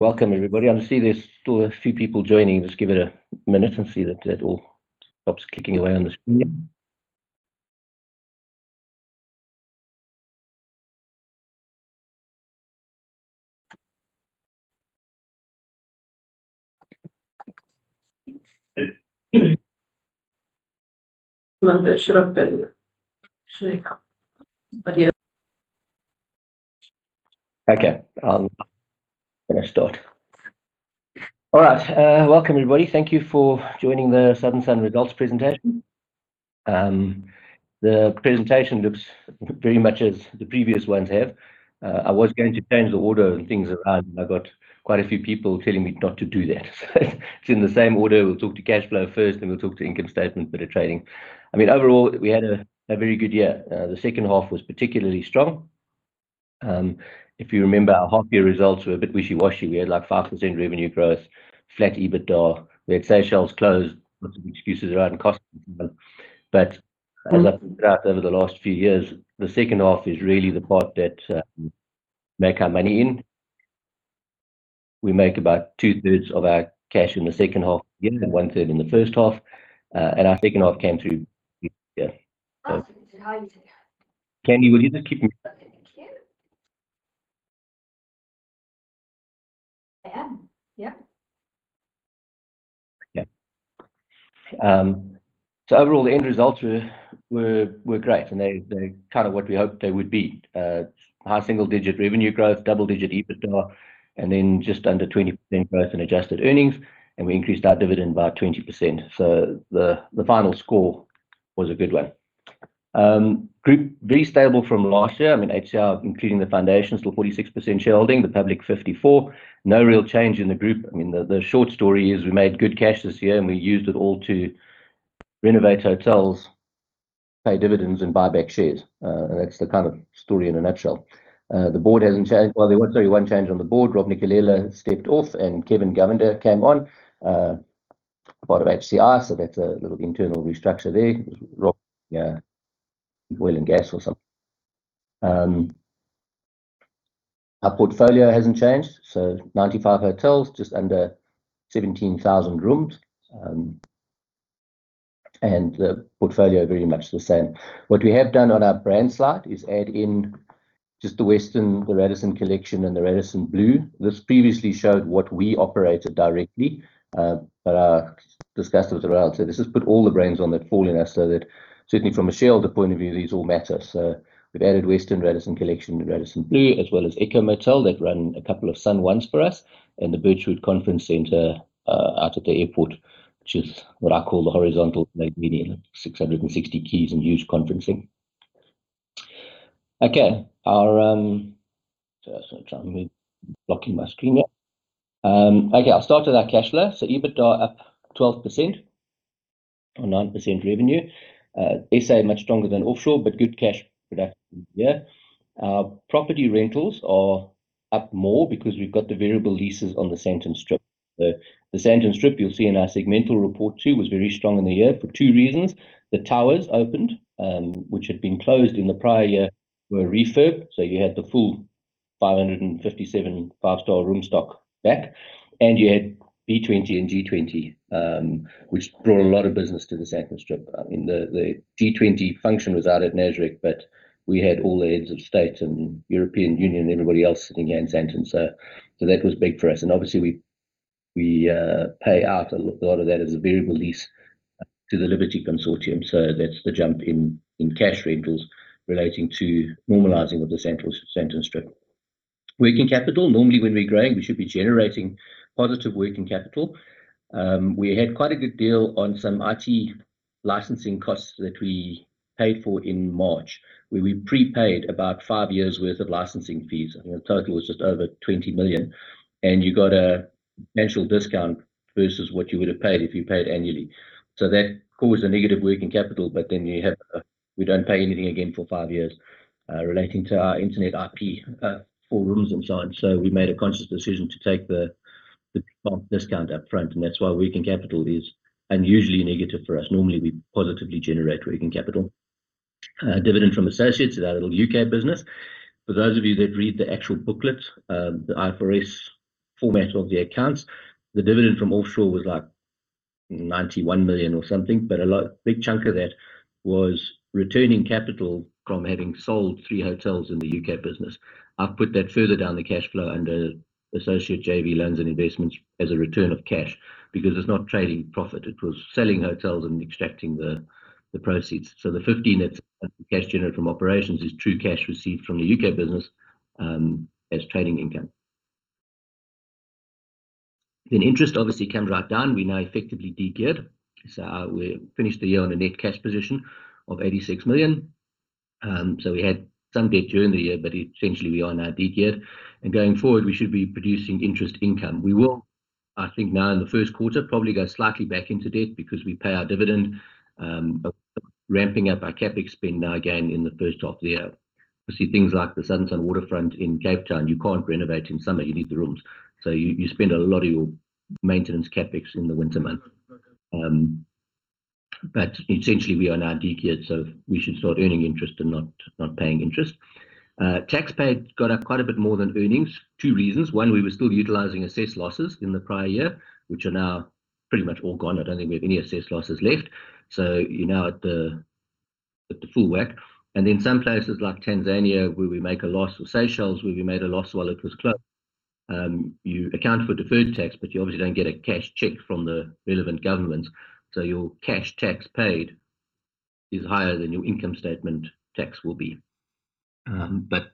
Welcome, everybody. I'll see there's still a few people joining. Just give it a minute and see that that all stops clicking away on the screen. I think that should have been actually up, but yeah. I'm going to start. Welcome, everybody. Thank you for joining the Southern Sun results presentation. The presentation looks very much as the previous ones have. I was going to change the order and things around, and I got quite a few people telling me not to do that. It's in the same order, we'll talk to cash flow first, then we'll talk to income statement, better trading. I mean, overall, we had a very good year. The second half was particularly strong. If you remember, our half-year results were a bit wishy-washy. We had like 5% revenue growth, flat EBITDA. We had sales closed, lots of excuses around cost control. As I've been out over the last few years, the second half is really the part that make our money in. We make about 2/3 of our cash in the second half of the year and 1/3 in the first half. Our second half came through this year. Oh, you did. How are you today? Candy, will you just keep me? Okay, I can. I am. Yeah. Okay. Overall, the end results were great, and they're kind of what we hoped they would be: high single-digit revenue growth, double-digit EBITDA, just under 20% growth in adjusted earnings. We increased our dividend by 20%. The final score was a good one. Group very stable from last year. I mean, HCI, including the foundations, still 46% shareholding. The public, 54%. No real change in the group. I mean, the short story is we made good cash this year, we used it all to renovate hotels, pay dividends, and buy back shares. That's the kind of story in a nutshell. The board hasn't changed. Well, there was only one change on the board. Rob Nicolella stepped off, Kevin Govender came on, part of HCI. That's a little internal restructure there. It was Rob oil and gas or something. Our portfolio hasn't changed. 95 hotels, just under 17,000 rooms. The portfolio is very much the same. What we have done on our brand slide is add in just the Westin, the Radisson Collection, and the Radisson Blu. This previously showed what we operated directly. I discussed it with Laurelle. This has put all the brands on that fall in us so that certainly from a shareholder point of view, these all matter. We've added Westin, Radisson Collection, and Radisson Blu, as well as Ecomotel that run a couple of SUN1s for us, and the Birchwood Conference Centre out at the airport, which is what I call the horizontal Magellanian, 660 keys and huge conferencing. Okay, sorry, I'm trying to remove blocking my screen here. Okay, I'll start with our cash flow. EBITDA up 12% on 9% revenue. SA much stronger than offshore, good cash production this year. Our property rentals are up more because we've got the variable leases on the Sandton Strip. The Sandton Strip, you'll see in our segmental report too, was very strong in the year for two reasons. The towers opened, which had been closed in the prior year, were refurbished. You had the full 557 5-star room stock back. You had B20 and G20, which brought a lot of business to the Sandton Strip. The G20 function was out at NASREC, we had all the heads of state and European Union and everybody else sitting here in Sandton. That was big for us. Obviously, we pay out a lot of that as a variable lease to the Liberty Consortium. That's the jump in cash rentals relating to normalising of the Sandton Strip. Working capital. Normally, when we're growing, we should be generating positive working capital. We had quite a good deal on some IT licensing costs that we paid for in March, where we prepaid about five years' worth of licensing fees. I think the total was just over 20 million. You got a financial discount versus what you would have paid if you paid annually. That caused a negative working capital, but then we don't pay anything again for five years relating to our internet IP for rooms and so on. We made a conscious decision to take the discount upfront. That's why working capital is unusually negative for us. Normally, we positively generate working capital. Dividend from associates, that little U.K. business. For those of you that read the actual booklets, the IFRS format of the accounts, the dividend from offshore was like 91 million or something. A big chunk of that was returning capital from having sold three hotels in the U.K. business. I've put that further down the cash flow under associate JV loans and investments as a return of cash because it's not trading profit. It was selling hotels and extracting the proceeds. The 15 that's cash generated from operations is true cash received from the U.K. business as trading income. Interest, obviously, comes right down. We now effectively de-geared. We finished the year on a net cash position of 86 million. We had some debt during the year, but essentially, we are now de-geared. Going forward, we should be producing interest income. We will, I think now in the first quarter, probably go slightly back into debt because we pay our dividend, ramping up our CapEx spend now again in the first half of the year. You see things like the Southern Sun Waterfront in Cape Town. You can't renovate in summer. You need the rooms. You spend a lot of your maintenance CapEx in the winter months. Essentially, we are now de-geared. We should start earning interest and not paying interest. Taxpayers got up quite a bit more than earnings. Two reasons. One, we were still utilizing assessed losses in the prior year, which are now pretty much all gone. I don't think we have any assessed losses left. You're now at the full whack. Some places like Tanzania, where we make a loss, or Seychelles, where we made a loss while it was closed, you account for deferred tax, but you obviously don't get a cash check from the relevant governments. Your cash tax paid is higher than your income statement tax will be.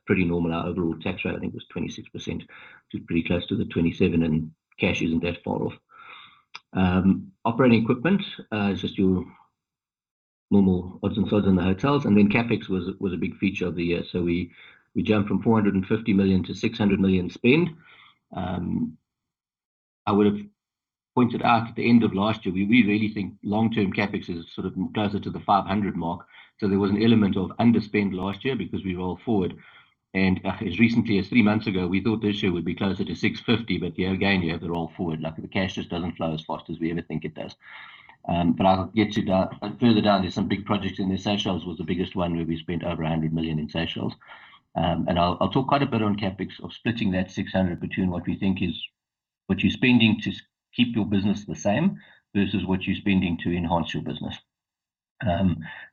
Pretty normal. Our overall tax rate, I think, was 26%, which is pretty close to the 27%, and cash isn't that far off. Operating equipment is just your normal odds and sods in the hotels. CapEx was a big feature of the year. We jumped from 450 million to 600 million spend. I would have pointed out at the end of last year, we really think long-term CapEx is sort of closer to the 500 million mark. There was an element of underspend last year because we rolled forward. As recently as three months ago, we thought this year would be closer to 650 million, but again, you have to roll forward. The cash just doesn't flow as fast as we ever think it does. I'll get you further down. There's some big projects in there. Seychelles was the biggest one where we spent over 100 million in Seychelles. I'll talk quite a bit on CapEx of splitting that 600 million between what we think is what you're spending to keep your business the same versus what you're spending to enhance your business,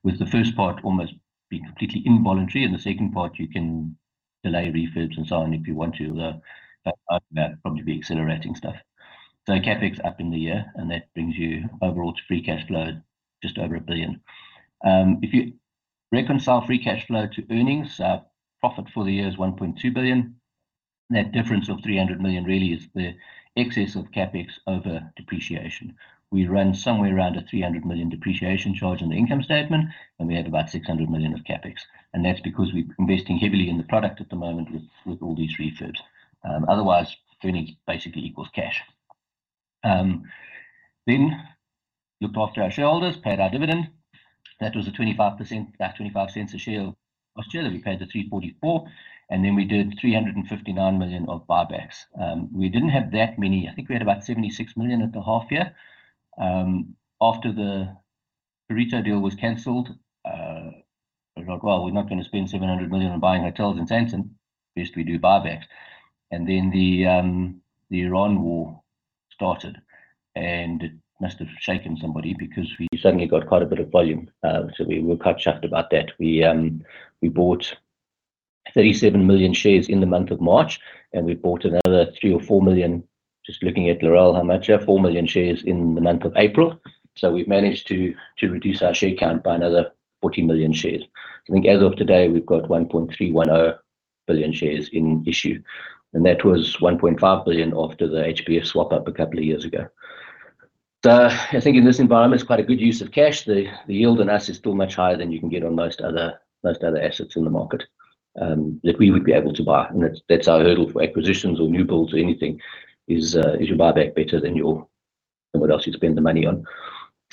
with the first part almost being completely involuntary. The second part, you can delay refurbs and so on if you want to. The background of that would probably be accelerating stuff. CapEx up in the year, that brings you overall to free cash flow just over 1 billion. If you reconcile free cash flow to earnings, profit for the year is 1.2 billion. That difference of 300 million really is the excess of CapEx over depreciation. We run somewhere around a 300 million depreciation charge on the income statement, and we have about 600 million of CapEx. That's because we're investing heavily in the product at the moment with all these refurbs. Otherwise, earnings basically equals cash. Looked after our shareholders, paid our dividend. That was a 0.25 a share last year. We paid the 344 million, we did 359 million of buybacks. We didn't have that many. We had about 76 million at the half-year. After the Pareto deal was cancelled, we thought, "We're not going to spend 700 million on buying hotels in Sandton." Best we do buybacks. The Iran war started, it must have shaken somebody because we suddenly got quite a bit of volume. We were chuffed about that. We bought 37 million shares in the month of March, we bought another 3 million or 4 million just looking at Laurelle, how much? 4 million shares in the month of April. We've managed to reduce our share count by another 40 million shares. I think as of today, we've got 1.310 billion shares in issue. That was 1.5 billion after the HBF swap up a couple of years ago. I think in this environment, it's quite a good use of cash. The yield on us is still much higher than you can get on most other assets in the market that we would be able to buy. That's our hurdle for acquisitions or new builds or anything is you buy back better than what else you spend the money on.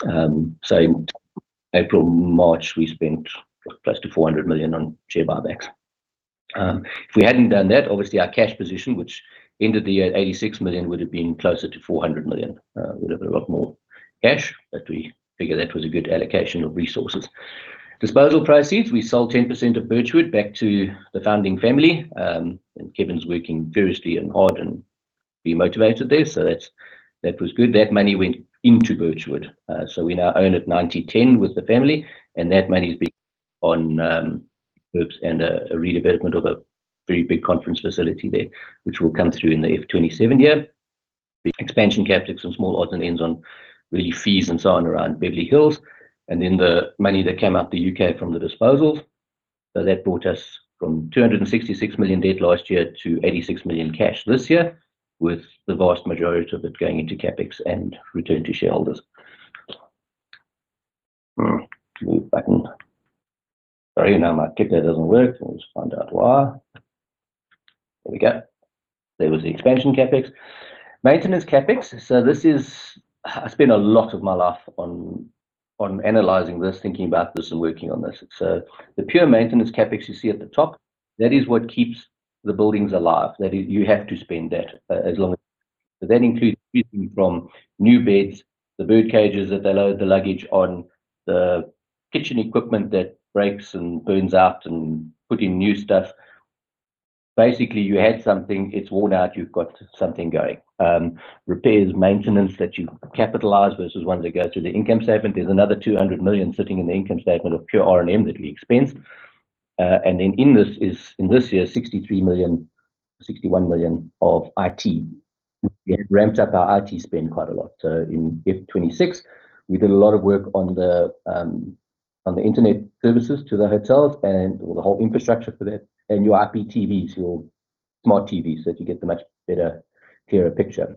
In April, March, we spent close to 400 million on share buybacks. If we hadn't done that, obviously, our cash position, which ended the year at 86 million, would have been closer to 400 million. We'd have had a lot more cash, but we figured that was a good allocation of resources. Disposal proceeds, we sold 10% of Birchwood back to the founding family. Kevin's working fiercely and hard and being motivated there. That was good. That money went into Birchwood. We now own it 90/10 with the family. That money's been on refurbs and a redevelopment of a very big conference facility there, which will come through in the F2027 year. Expansion CapEx on small odds and ends on really fees and so on around Beverly Hills. The money that came out of the U.K. from the disposals. That brought us from 266 million debt last year to 86 million cash this year, with the vast majority of it going into CapEx and return to shareholders. Sorry, now my clicker doesn't work. Let me just find out why. There we go. There was the expansion CapEx. Maintenance CapEx. I spent a lot of my life on analyzing this, thinking about this, and working on this. The pure maintenance CapEx you see at the top, that is what keeps the buildings alive. You have to spend that as long as. That includes everything from new beds, the birdcages that they load the luggage on, the kitchen equipment that breaks and burns out, and putting new stuff. Basically, you had something. It's worn out. You've got something going. Repairs, maintenance that you capitalize versus ones that go through the income statement. There's another 200 million sitting in the income statement of pure R&M that we expensed. In this year, 61 million of IT. We had ramped up our IT spend quite a lot. In F2026, we did a lot of work on the internet services to the hotels and the whole infrastructure for that and your IPTVs, your smart TVs that you get the much better, clearer picture.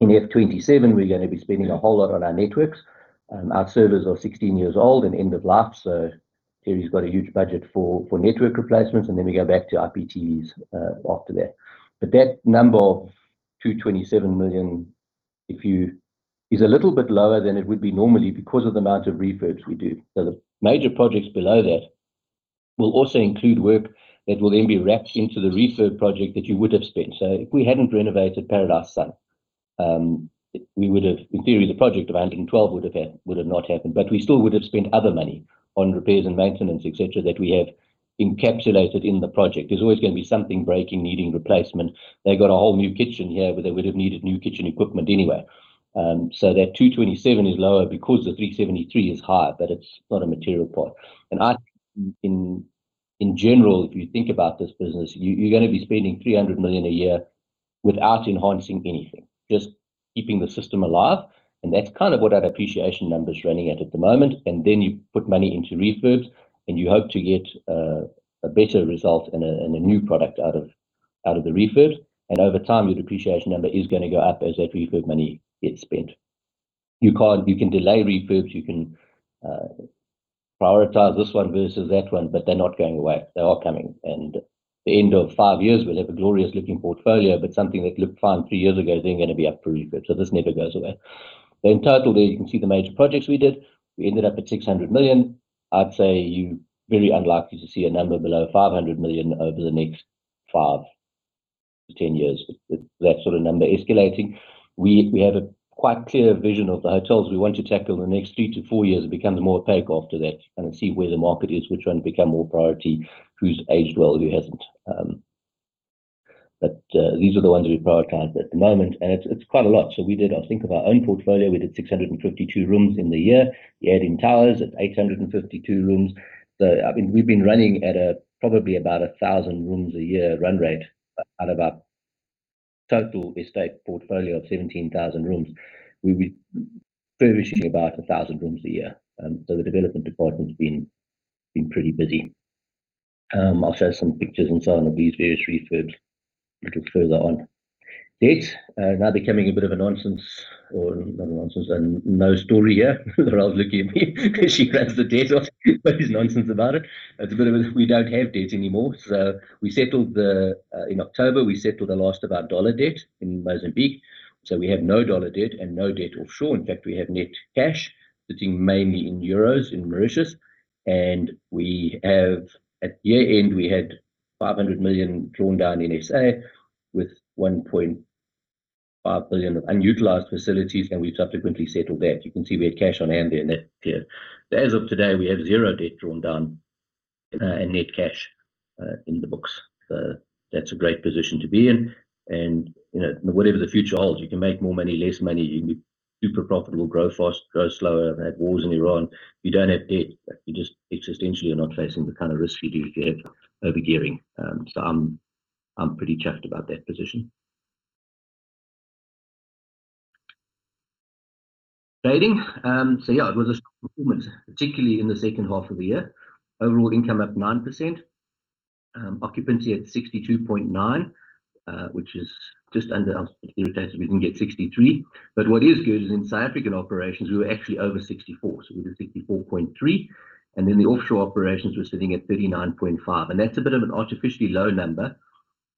In F2027, we're going to be spending a whole lot on our networks. Our servers are 16 years old and end of life. Terry's got a huge budget for network replacements. We go back to IPTVs after that. That number of 227 million is a little bit lower than it would be normally because of the amount of refurbs we do. The major projects below that will also include work that will then be wrapped into the refurb project that you would have spent. If we hadn't renovated Paradise Sun, in theory, the project of 112 would have not happened. We still would have spent other money on repairs and maintenance, etc., that we have encapsulated in the project. There's always going to be something breaking needing replacement. They got a whole new kitchen here where they would have needed new kitchen equipment anyway. That 227 is lower because the 373 is higher, but it's not a material problem. In general, if you think about this business, you're going to be spending 300 million a year without enhancing anything, just keeping the system alive. That's kind of what our depreciation number is running at the moment. You put money into refurbs, and you hope to get a better result and a new product out of the refurb. Over time, your depreciation number is going to go up as that refurb money gets spent. You can delay refurbs. You can prioritize this one versus that one, but they're not going away. They are coming. The end of five years, we'll have a glorious-looking portfolio, but something that looked fine three years ago, they're going to be up for refurb. This never goes away. In total, there, you can see the major projects we did. We ended up at 600 million. I'd say very unlikely to see a number below 500 million over the next 5-10 years. That sort of number escalating. We have a quite clear vision of the hotels we want to tackle in the next three to four years. It becomes more opaque after that. Kind of see where the market is, which one to become more priority, who's aged well, who hasn't. These are the ones we prioritize at the moment. It's quite a lot. We did, I'll think of our own portfolio. We did 652 rooms in the year. The add-in towers, it's 852 rooms. I mean, we've been running at probably about 1,000 rooms a year run rate out of our total estate portfolio of 17,000 rooms. We're furnishing about 1,000 rooms a year. The development department's been pretty busy. I'll show some pictures and so on of these various refurbs a little further on. Debts are now becoming a bit of a nonsense or not a nonsense, a no story here. Laurelle's looking at me because she runs the debt off. He's nonsense about it. It's a bit of a we don't have debts anymore. In October, we settled the last of our dollar debt in Mozambique. We have no dollar debt and no debt offshore. In fact, we have net cash sitting mainly in euros in Mauritius. At year-end, we had ZAR 500 million drawn down NSA with 1.5 billion of unutilized facilities. We've subsequently settled that. You can see we had cash on hand there and net there. As of today, we have zero debt drawn down and net cash in the books. That's a great position to be in. Whatever the future holds, you can make more money, less money. You can be super profitable, grow fast, grow slower. That was in Iran. You don't have debt. You just existentially are not facing the kind of risk you do if you have overgearing. I'm pretty chuffed about that position. Trading. Yeah, it was a strong performance, particularly in the second half of the year. Overall income up 9%. Occupancy at 62.9%, which is just under. I'm irritated we didn't get 63. What is good is in South African operations, we were actually over 64. We did 64.3%. The offshore operations were sitting at 39.5%. That's a bit of an artificially low number.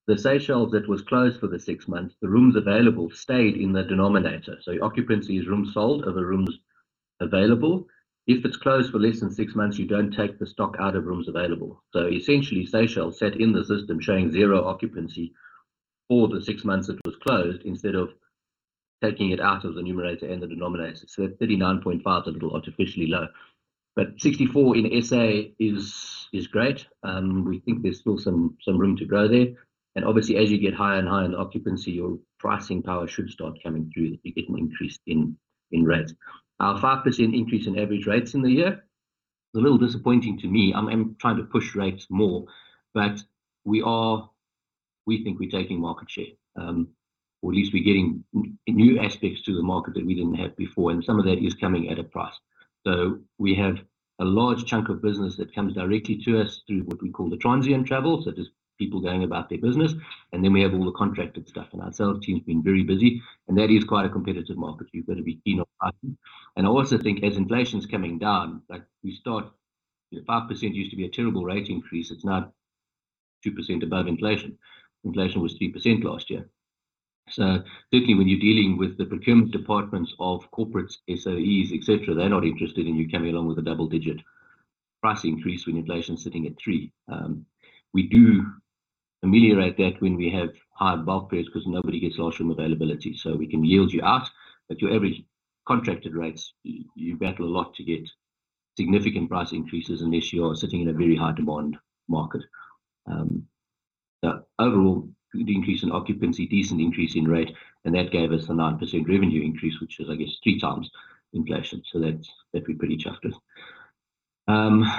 The Seychelles that was closed for the six months, the rooms available stayed in the denominator. Occupancy is rooms sold over rooms available. If it's closed for less than six months, you don't take the stock out of rooms available. Essentially, Seychelles sat in the system showing zero occupancy for the six months it was closed instead of taking it out of the numerator and the denominator. That 39.5% is a little artificially low. 64% in SA is great. We think there's still some room to grow there. Obviously, as you get higher and higher in occupancy, your pricing power should start coming through that you're getting increased in rates. Our 5% increase in average rates in the year is a little disappointing to me. I'm trying to push rates more. We think we're taking market share, or at least we're getting new aspects to the market that we didn't have before. Some of that is coming at a price. We have a large chunk of business that comes directly to us through what we call the transient travel. Just people going about their business. We have all the contracted stuff. Our sales team's been very busy. That is quite a competitive market. You've got to be keen on pricing. I also think as inflation's coming down, we start 5% used to be a terrible rate increase. It's now 2% above inflation. Inflation was 3% last year. Certainly when you're dealing with the procurement departments of corporates, SOEs, etc., they're not interested in you coming along with a double-digit price increase when inflation's sitting at 3%. We do ameliorate that when we have higher bulk pairs because nobody gets lost from availability. We can yield you out. Your average contracted rates, you battle a lot to get significant price increases unless you are sitting in a very high-demand market. Overall, good increase in occupancy, decent increase in rate. That gave us a 9% revenue increase, which is, I guess, three times inflation. That we're pretty chuffed with.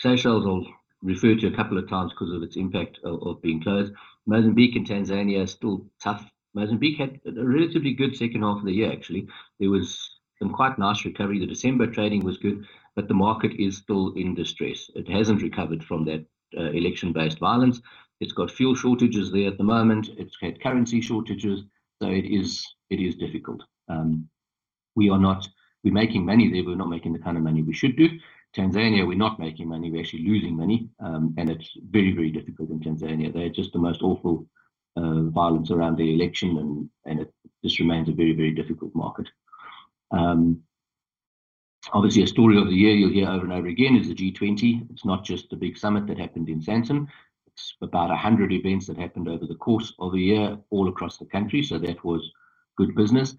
Seychelles will refer to a couple of times because of its impact of being closed. Mozambique and Tanzania are still tough. Mozambique had a relatively good second half of the year, actually. There was some quite nice recovery. The December trading was good. The market is still in distress. It hasn't recovered from that election-based violence. It's got fuel shortages there at the moment. It's had currency shortages. It is difficult. We are not making money there. We're not making the kind of money we should do. Tanzania, we're not making money. We're actually losing money. It's very, very difficult in Tanzania. There's just the most awful violence around the election. It just remains a very, very difficult market. Obviously, a story of the year you'll hear over and over again is the G20. It's not just the big summit that happened in Sandton. It's about 100 events that happened over the course of the year all across the country. That was good business.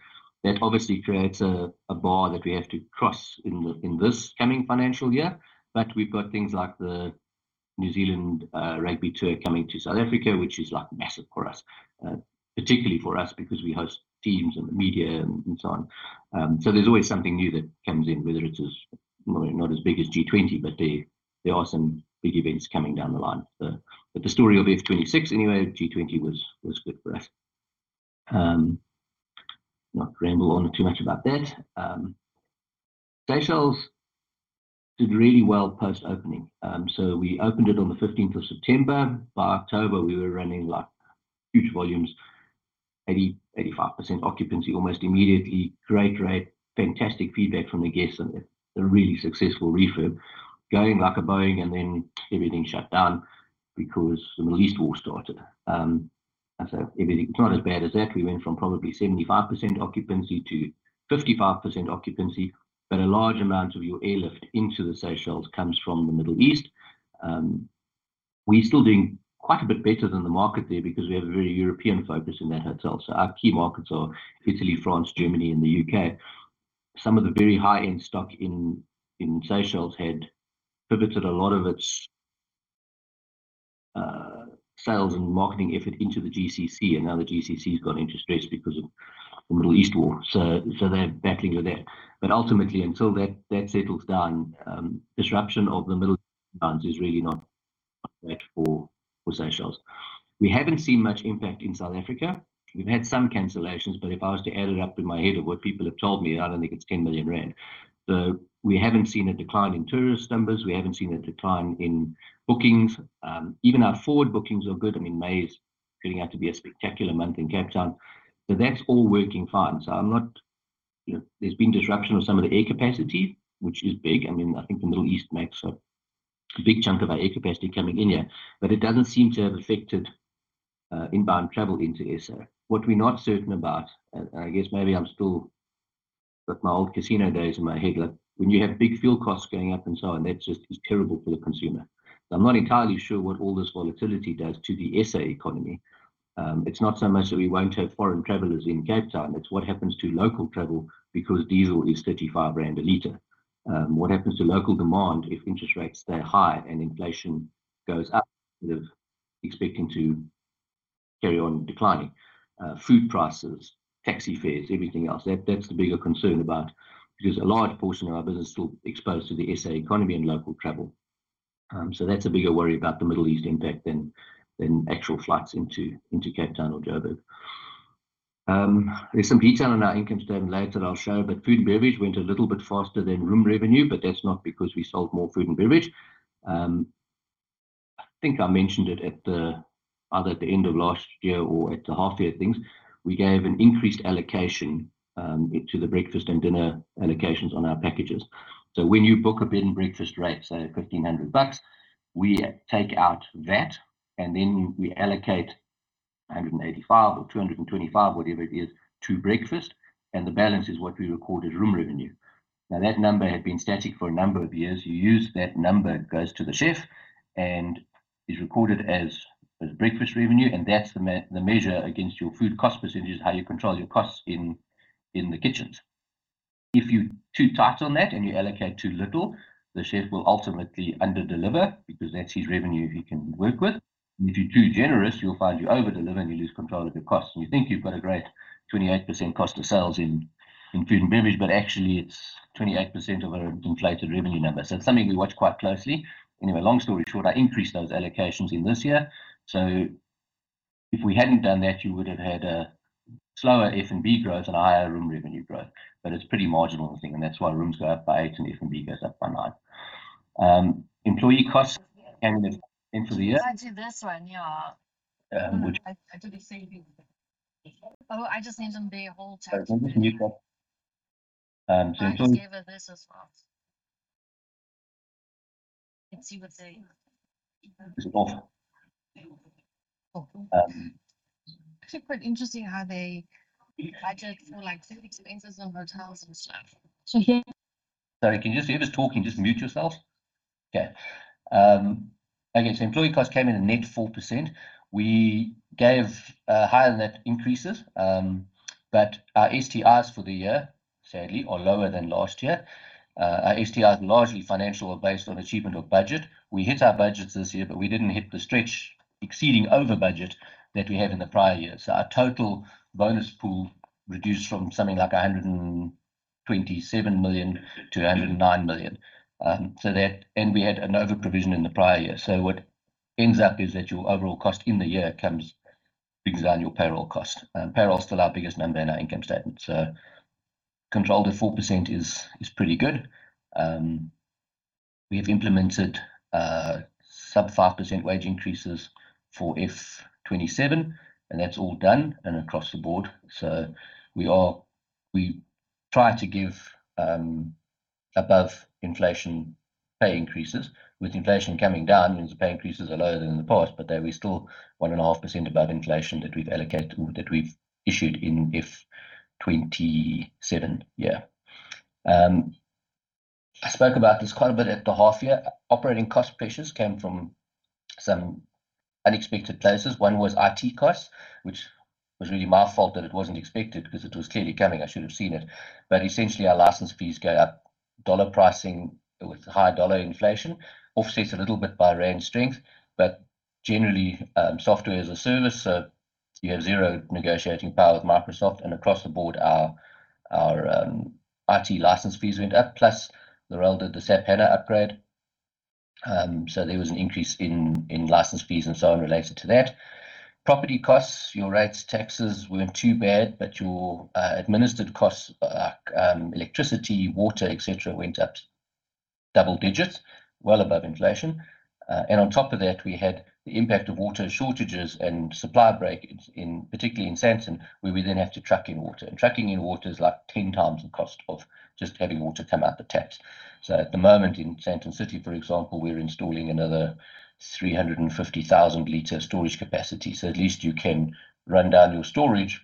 That obviously creates a bar that we have to cross in this coming financial year. We've got things like the New Zealand rugby tour coming to South Africa, which is massive for us, particularly for us because we host teams and the media and so on. There's always something new that comes in, whether it's not as big as G20, there are some big events coming down the line. The story of F2026 anyway, G20 was good for us. Not ramble on too much about that. Seychelles did really well post-opening. We opened it on the 15th of September. By October, we were running huge volumes, 85% occupancy almost immediately, great rate, fantastic feedback from the guests, and a really successful refurb, going like a Boeing. Then everything shut down because the Middle East War started. It's not as bad as that. We went from probably 75% occupancy to 55% occupancy. A large amount of your airlift into the Seychelles comes from the Middle East. We're still doing quite a bit better than the market there because we have a very European focus in that hotel. Our key markets are Italy, France, Germany, and the U.K. Some of the very high-end stock in Seychelles had pivoted a lot of its sales and marketing effort into the GCC. Now the GCC's gone into stress because of the Middle East War. They're battling with that. Ultimately, until that settles down, disruption of the Middle East is really not great for Seychelles. We haven't seen much impact in South Africa. We've had some cancellations. If I was to add it up in my head of what people have told me, I don't think it's 10 million rand. We haven't seen a decline in tourist numbers. We haven't seen a decline in bookings. Even our Ford bookings are good. I mean, May is turning out to be a spectacular month in Cape Town. That's all working fine. There's been disruption of some of the air capacity, which is big. I mean, I think the Middle East makes a big chunk of our air capacity coming in here. It doesn't seem to have affected inbound travel into SA. What we're not certain about, and I guess maybe I'm still got my old casino days in my head, when you have big fuel costs going up and so on, that just is terrible for the consumer. I'm not entirely sure what all this volatility does to the SA economy. It's not so much that we won't have foreign travellers in Cape Town. It's what happens to local travel because diesel is 35 rand a liter. What happens to local demand if interest rates stay high and inflation goes up instead of expecting to carry on declining? Food prices, taxi fares, everything else. That's the bigger concern about because a large portion of our business is still exposed to the S.A. economy and local travel. That's a bigger worry about the Middle East impact than actual flights into Cape Town or Joburg. There's some detail on our income statement later that I'll show. Food and beverage went a little bit faster than room revenue. That's not because we sold more food and beverage. I think I mentioned it either at the end of last year or at the half year of things. We gave an increased allocation to the breakfast and dinner allocations on our packages. When you book a bed and breakfast rate, say ZAR 1,500, we take out that. We allocate 185 or 225, whatever it is, to breakfast. The balance is what we record as room revenue. That number had been static for a number of years. You use that number, goes to the chef, and is recorded as breakfast revenue. That's the measure against your food cost percentage, how you control your costs in the kitchens. If you're too tight on that and you allocate too little, the chef will ultimately underdeliver because that's his revenue he can work with. If you're too generous, he'll find you overdeliver and you lose control of your costs. You think you've got a great 28% cost of sales in food and beverage. Actually, it's 28% of our inflated revenue number. It's something we watch quite closely. Long story short, I increased those allocations in this year. If we hadn't done that, you would have had slower F&B growth and higher room revenue growth. It's pretty marginal, I think. That's why rooms go up by eight and F&B goes up by nine. Employee costs came in for the year. Just mute that. Is it off? Sorry. Can you just hear me talking? Just mute yourselves. Okay. Okay. Employee costs came in at net 4%. We gave higher than that increases. Our STRs for the year, sadly, are lower than last year. Our STRs largely financial are based on achievement of budget. We hit our budgets this year, but we didn't hit the stretch exceeding over budget that we have in the prior year. Our total bonus pool reduced from something like 127 million to 109 million. We had an overprovision in the prior year. What ends up is that your overall cost in the year brings down your payroll cost. Payroll's still our biggest number in our income statement. Controlled at 4% is pretty good. We have implemented sub-5% wage increases for F2027. That's all done and across the board. We try to give above-inflation pay increases. With inflation coming down, means the pay increases are lower than in the past. There we still 1.5% above inflation that we've allocated or that we've issued in F2027 year. I spoke about this quite a bit at the half year. Operating cost pressures came from some unexpected places. One was IT costs, which was really my fault that it wasn't expected because it was clearly coming. I should have seen it. Essentially, our license fees go up. Dollar pricing with high dollar inflation offsets a little bit by rand strength. Generally, software as a service. You have zero negotiating power with Microsoft. Across the board, our IT license fees went up. Plus, Laurelle did the SAP HANA upgrade. There was an increase in license fees and so on related to that. Property costs, your rates, taxes, weren't too bad. Your administered costs, electricity, water, etc., went up double-digits, well above inflation. On top of that, we had the impact of water shortages and supply breaks, particularly in Sandton, where we then have to truck in water. Trucking in water is like 10 times the cost of just having water come out the taps. At the moment, in Sandton City, for example, we're installing another 350,000-liter storage capacity. At least you can run down your storage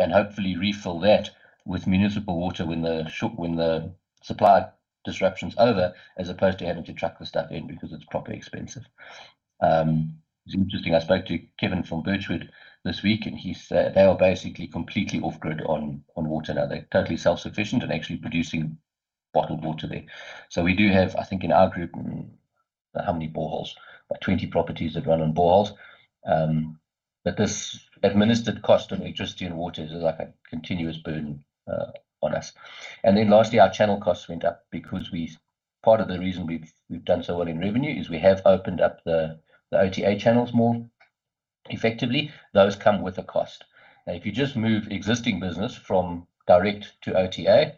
and hopefully refill that with municipal water when the supply disruption's over, as opposed to having to truck the stuff in because it's properly expensive. It's interesting. I spoke to Kevin from Birchwood this week. They are basically completely off-grid on water now. They're totally self-sufficient and actually producing bottled water there. We do have, I think, in our group, how many boreholes? About 20 properties that run on boreholes. This administered cost of electricity and water is like a continuous burden on us. Lastly, our channel costs went up because part of the reason we've done so well in revenue is we have opened up the OTA channels more effectively. Those come with a cost. Now, if you just move existing business from direct to OTA,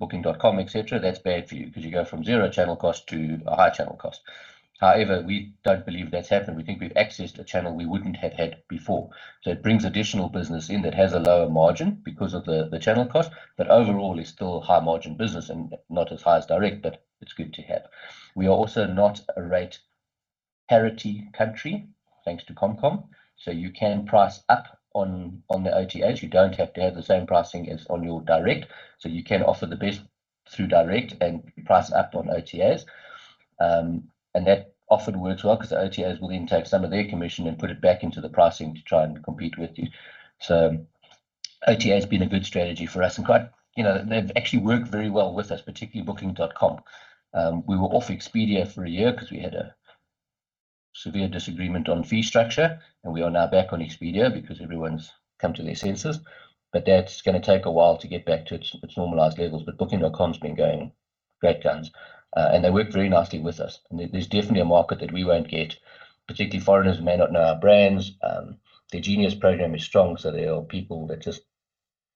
booking.com, etc., that's bad for you because you go from zero channel cost to a high channel cost. We don't believe that's happened. We think we've accessed a channel we wouldn't have had before. It brings additional business in that has a lower margin because of the channel cost, but overall is still high-margin business and not as high as direct. It's good to have. We are also not a rate parity country, thanks to CompCom. You can price up on the OTAs. You don't have to have the same pricing as on your direct. You can offer the best through direct and price up on OTAs. That often works well because the OTAs will then take some of their commission and put it back into the pricing to try and compete with you. OTA has been a good strategy for us. They've actually worked very well with us, particularly Booking.com. We were off Expedia for a year because we had a severe disagreement on fee structure. We are now back on Expedia because everyone's come to their senses. That's going to take a while to get back to its normalized levels. Booking.com's been going great guns. They work very nicely with us. There's definitely a market that we won't get. Particularly, foreigners may not know our brands. Their Genius program is strong. There are people that just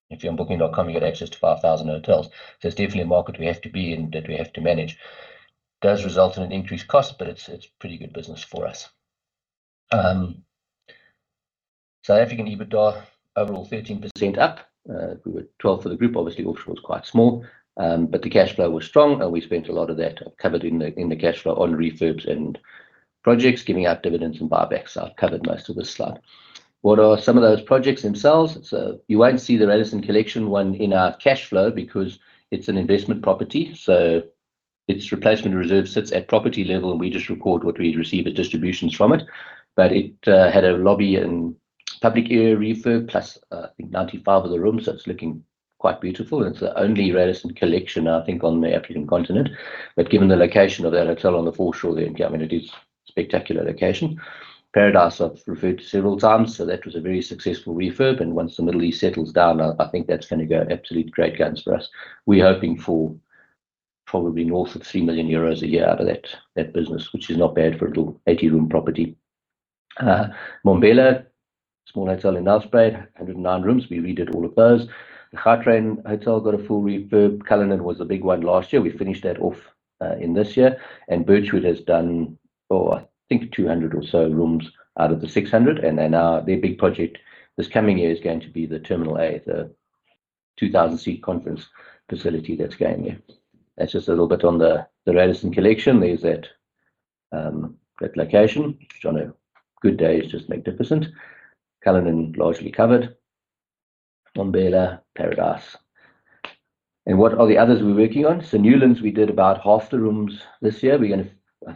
if you're on Booking.com, you get access to 5,000 hotels. It's definitely a market we have to be in that we have to manage. It does result in an increased cost, but it's pretty good business for us. South African EBITDA, overall 13% up. We were 12% for the group. Obviously, offshore was quite small. The cash flow was strong. We spent a lot of that I've covered in the cash flow on refurbs and projects, giving out dividends and buybacks. I've covered most of this slide. What are some of those projects themselves? You won't see the Radisson Collection one in our cash flow because it's an investment property. Its replacement reserve sits at property level. We just record what we receive as distributions from it. It had a lobby and public area refurb, plus I think 95 of the rooms. It's looking quite beautiful. It's the only Radisson Collection, I think, on the African continent. Given the location of that hotel on the foreshore, I mean, it is a spectacular location. Paradise I've referred to several times. That was a very successful refurb. Once the Middle East settles down, I think that's going to go absolute great guns for us. We're hoping for probably north of 3 million euros a year out of that business, which is not bad for a little 80-room property. Mbombela, small hotel in Nelspruit, 109 rooms. We redid all of those. The Gautrain Hotel got a full refurb. Cullinan was a big one last year. We finished that off in this year. Birchwood has done, I think 200 or so rooms out of the 600. Their big project this coming year is going to be the Terminal A, the 2,000-seat conference facility that's going there. That's just a little bit on the Radisson Collection. There's that location. It's on a good day. It's just magnificent. Cullinan largely covered. Mbombela, Paradise. What are the others we're working on? Newlands, we did about half the rooms this year. I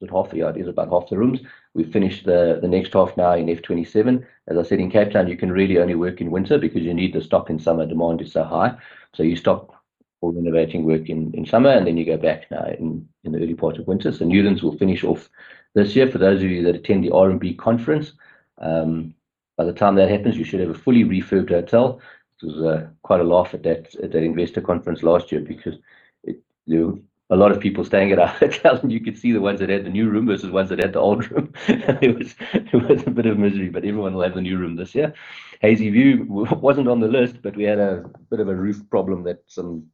said half the yard. It's about half the rooms. We've finished the next half now in F27. As I said, in Cape Town, you can really only work in winter because you need the stock in summer. Demand is so high. You stop all renovating work in summer. You go back now in the early part of winter. Newlands will finish off this year. For those of you that attend the RMB conference, by the time that happens, you should have a fully refurbed hotel. There was quite a laugh at that investor conference last year because there were a lot of people staying at our hotel. You could see the ones that had the new room versus ones that had the old room. It was a bit of misery. Everyone will have the new room this year. Hazyview wasn't on the list. We had a bit of a roof problem that some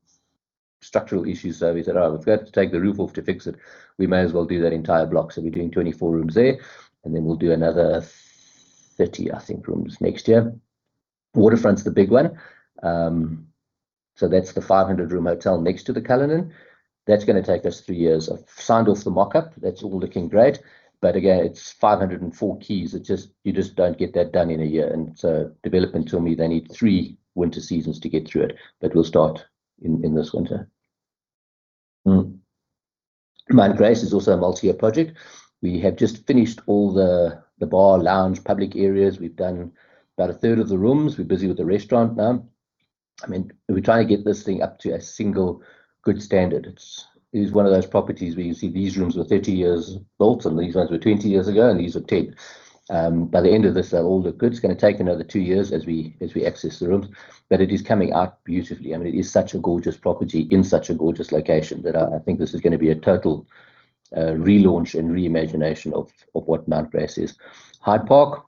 structural issues. We said, "Oh, we've got to take the roof off to fix it." We may as well do that entire block. We're doing 24 rooms there. We'll do another 30, I think, rooms next year. Waterfront's the big one. That's the 500-room hotel next to The Cullinan. That's going to take us three years. I've signed off the mockup. That's all looking great. Again, it's 504 keys. You just don't get that done in 1 year. Development told me they need 3 winter seasons to get through it. We'll start in this winter. Mount Grace is also a multi-year project. We have just finished all the bar, lounge, public areas. We've done about a third of the rooms. We're busy with the restaurant now. I mean, we're trying to get this thing up to a single good standard. It's one of those properties where you see these rooms were 30 years built. These ones were 20 years ago. These are 10. By the end of this, they'll all look good. It's going to take another two years as we access the rooms. It is coming out beautifully. I mean, it is such a gorgeous property in such a gorgeous location that I think this is going to be a total relaunch and reimagination of what Mount Grace is. Hyde Park,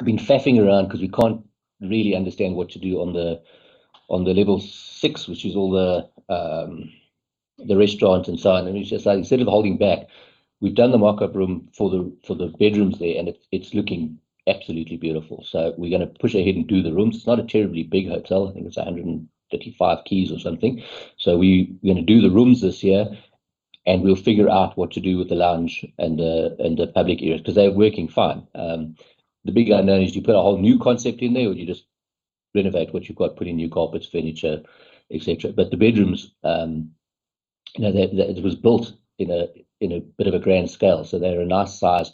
I've been faffing around because we can't really understand what to do on the level 6, which is all the restaurants and so on. Instead of holding back, we've done the mockup room for the bedrooms there. It's looking absolutely beautiful. We're going to push ahead and do the rooms. It's not a terribly big hotel. I think it's 135 keys or something. We're going to do the rooms this year. We'll figure out what to do with the lounge and the public areas because they're working fine. The big unknown is do you put a whole new concept in there, or do you just renovate what you've got, put in new carpets, furniture, etc.? The bedrooms, it was built in a bit of a grand scale. They're a nice size.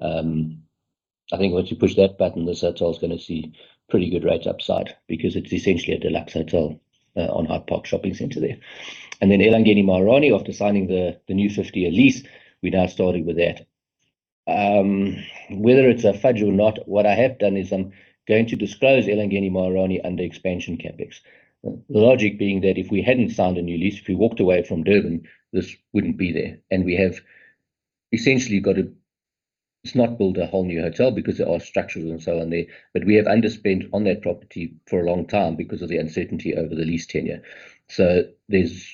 I think once you push that button, this hotel's going to see pretty good rates upside because it's essentially a deluxe hotel on Hyde Park Shopping Centre there. Then Elangeni & Maharani, after signing the new 50-year lease, we now started with that. Whether it's a fudge or not, what I have done is I'm going to disclose Elangeni & Maharani under expansion CapEx. The logic being that if we hadn't signed a new lease, if we walked away from Durban, this wouldn't be there. We have essentially got to it's not built a whole new hotel because there are structures and so on there. We have underspent on that property for a long time because of the uncertainty over the lease tenure. There's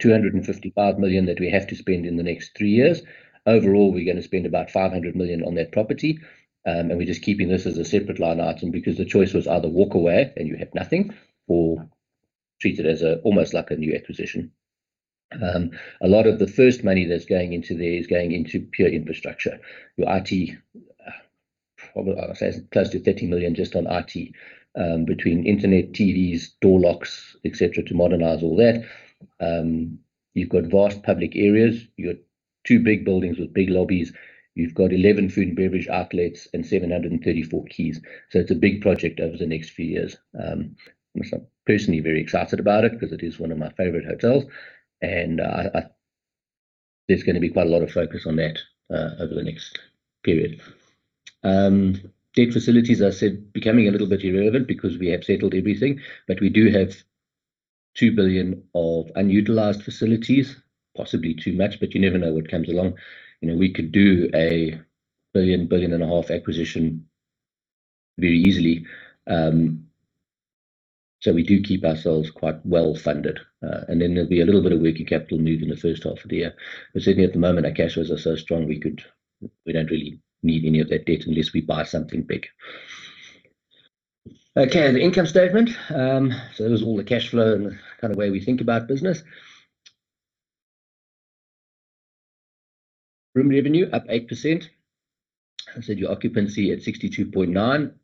255 million that we have to spend in the next three years. Overall, we're going to spend about 500 million on that property. We're just keeping this as a separate line item because the choice was either walk away and you have nothing or treat it almost like a new acquisition. A lot of the first money that's going into there is going into pure infrastructure. Your IT, I'll say close to 30 million just on IT, between internet, TVs, door locks, etc., to modernize all that. You've got vast public areas. You've got two big buildings with big lobbies. You've got 11 food and beverage outlets and 734 keys. It's a big project over the next few years. I'm personally very excited about it because it is one of my favorite hotels. There's going to be quite a lot of focus on that over the next period. Debt facilities, I said, becoming a little bit irrelevant because we have settled everything. We do have 2 billion of unutilized facilities, possibly too much. You never know what comes along. We could do a 1.5 billion acquisition very easily. We do keep ourselves quite well funded. There'll be a little bit of working capital move in the first half of the year. Certainly at the moment, our cash flows are so strong, we don't really need any of that debt unless we buy something big. Okay, the income statement. It was all the cash flow and the kind of way we think about business. Room revenue up 8%. I said your occupancy at 62.9%,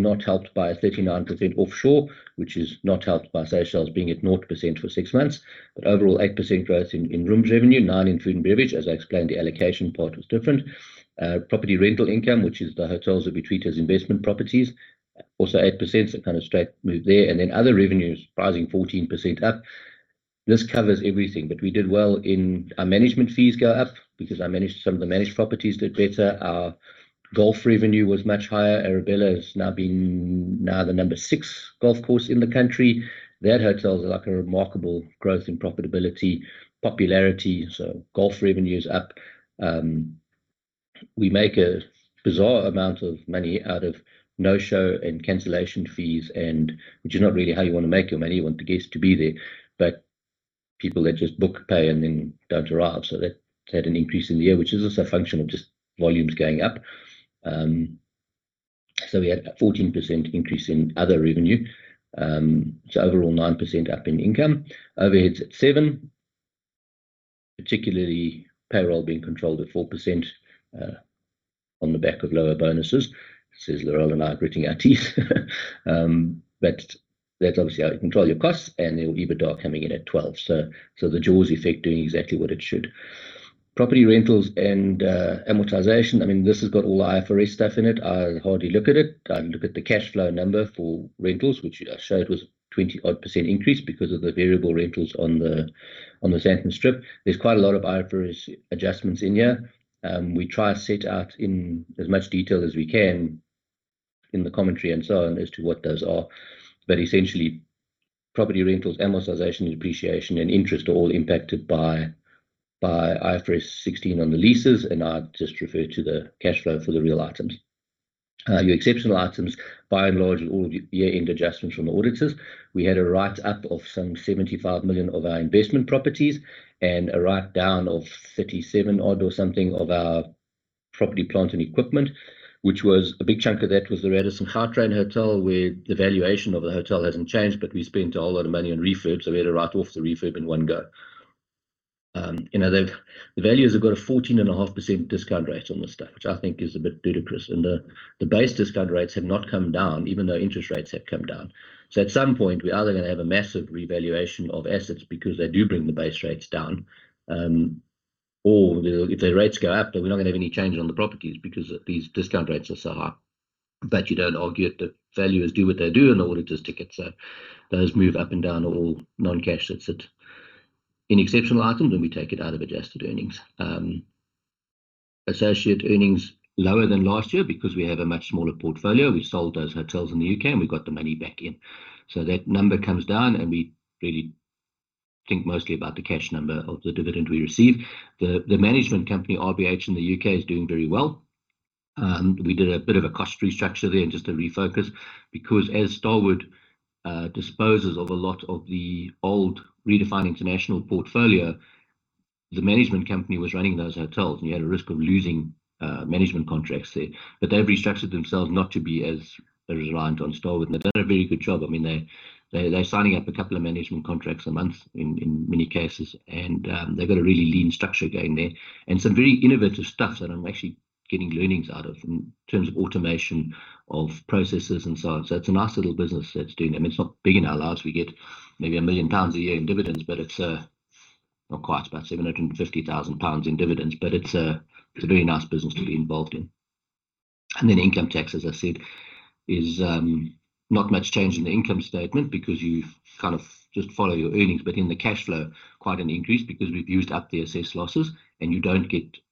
not helped by 39% offshore, which is not helped by Seychelles being at 0% for six months. Overall, 8% growth in rooms revenue, 9% in food and beverage. As I explained, the allocation part was different. Property rental income, which is the hotels that we treat as investment properties, also 8%. Kind of straight move there. Then other revenues rising 14% up. This covers everything. We did well in our management fees go up because some of the managed properties did better. Our golf revenue was much higher. Arabella has now been the number six golf course in the country. That hotel's like a remarkable growth in profitability, popularity. Golf revenue is up. We make a bizarre amount of money out of no-show and cancellation fees, which is not really how you want to make your money. You want the guests to be there. People that just book, pay, and then don't arrive. That had an increase in the year, which is also a function of just volumes going up. We had a 14% increase in other revenue. Overall, 9% up in income. Overheads at 7%, particularly payroll being controlled at 4% on the back of lower bonuses. It says Laurelle and I are gritting our teeth. That's obviously how you control your costs. There will be EBITDA coming in at 12%. The Jaws effect doing exactly what it should. Property rentals and amortisation, I mean, this has got all IFRS stuff in it. I hardly look at it. I look at the cash flow number for rentals, which I showed was 20-odd percent increase because of the variable rentals on the Sandton Strip. There's quite a lot of IFRS adjustments in here. We try to set out in as much detail as we can in the commentary and so on as to what those are. Essentially, property rentals, amortization, depreciation, and interest are all impacted by IFRS 16 on the leases. I just refer to the cash flow for the real items. Your exceptional items, by and large, are all year-end adjustments from the auditors. We had a write-up of some 75 million of our investment properties and a write-down of 37-odd or something of our property plant and equipment, which was a big chunk of that was the Radisson Gautrain Hotel, where the valuation of the hotel hasn't changed. We had to write off the refurb in one go. The values have got a 14.5% discount rate on this stuff, which I think is a bit ludicrous. The base discount rates have not come down, even though interest rates have come down. At some point, we're either going to have a massive revaluation of assets because they do bring the base rates down, or if the rates go up, then we're not going to have any change on the properties because these discount rates are so high. You don't argue that values do what they do in the auditor's dictate. Those move up and down are all non-cash. That's it. Any exceptional items, then we take it out of adjusted earnings. Associate earnings lower than last year because we have a much smaller portfolio. We sold those hotels in the U.K. We've got the money back in. That number comes down. We really think mostly about the cash number of the dividend we receive. The management company, RBH, in the U.K. is doing very well. We did a bit of a cost restructure there and just a refocus because as Starwood disposes of a lot of the old Redefine International portfolio, the management company was running those hotels. You had a risk of losing management contracts there. They've restructured themselves not to be as reliant on Starwood. They've done a very good job. I mean, they're signing up a couple of management contracts a month in many cases. They've got a really lean structure going there and some very innovative stuff that I'm actually getting learnings out of in terms of automation of processes and so on. It's a nice little business that's doing that. I mean, it's not big in our lives. We get maybe 1 million pounds a year in dividends. It's not quite. It's about 750,000 pounds in dividends. It's a very nice business to be involved in. Then income tax, as I said, is not much change in the income statement because you kind of just follow your earnings. In the cash flow, quite an increase because we've used up the assessed losses.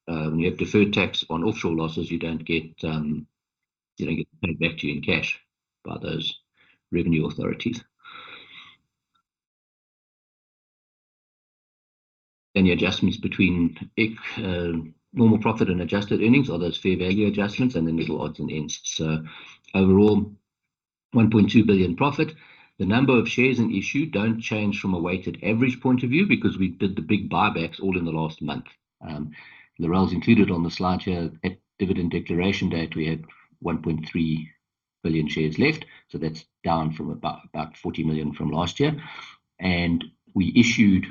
When you have deferred tax on offshore losses, you don't get it paid back to you in cash by those revenue authorities. The adjustments between normal profit and adjusted earnings are those fair value adjustments and then little odds and ends. Overall, 1.2 billion profit. The number of shares in issue don't change from a weighted average point of view because we did the big buybacks all in the last month. Laurelle's included on the slide here. At dividend declaration date, we had 1.3 billion shares left. That's down from about 40 million from last year. We issued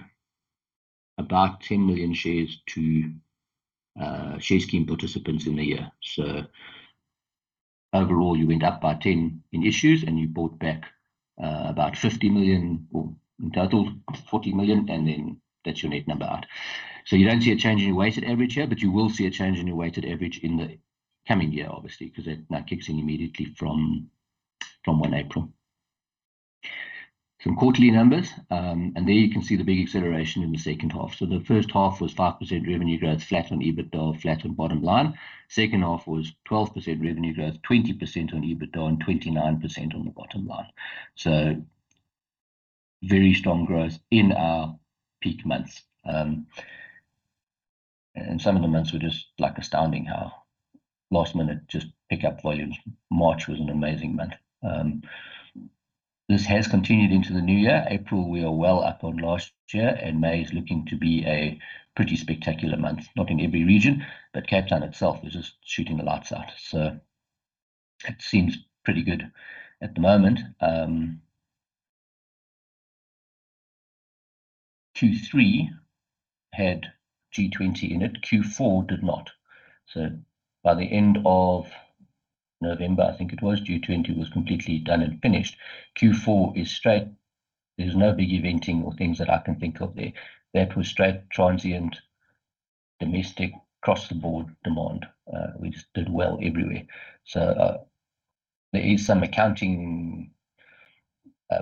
about 10 million shares to share scheme participants in the year. Overall, you went up by 10 in issues. You bought back about 50 million or in total, 40 million. That's your net number out. You don't see a change in your weighted average here. You will see a change in your weighted average in the coming year, obviously, because that now kicks in immediately from 1 April. Some quarterly numbers. There you can see the big acceleration in the second half. The first half was 5% revenue growth, flat on EBITDA, flat on bottom line. Second half was 12% revenue growth, 20% on EBITDA, and 29% on the bottom line. Very strong growth in our peak months. Some of the months were just astounding how last-minute just pick up volumes. March was an amazing month. This has continued into the new year. April, we are well up on last year. May is looking to be a pretty spectacular month, not in every region. Cape Town itself is just shooting the lights out. It seems pretty good at the moment. Q3 had G20 in it. Q4 did not. By the end of November, I think it was, G20 was completely done and finished. Q4 is straight. There's no big eventing or things that I can think of there. That was straight transient domestic cross-the-board demand. We just did well everywhere. There is some accounting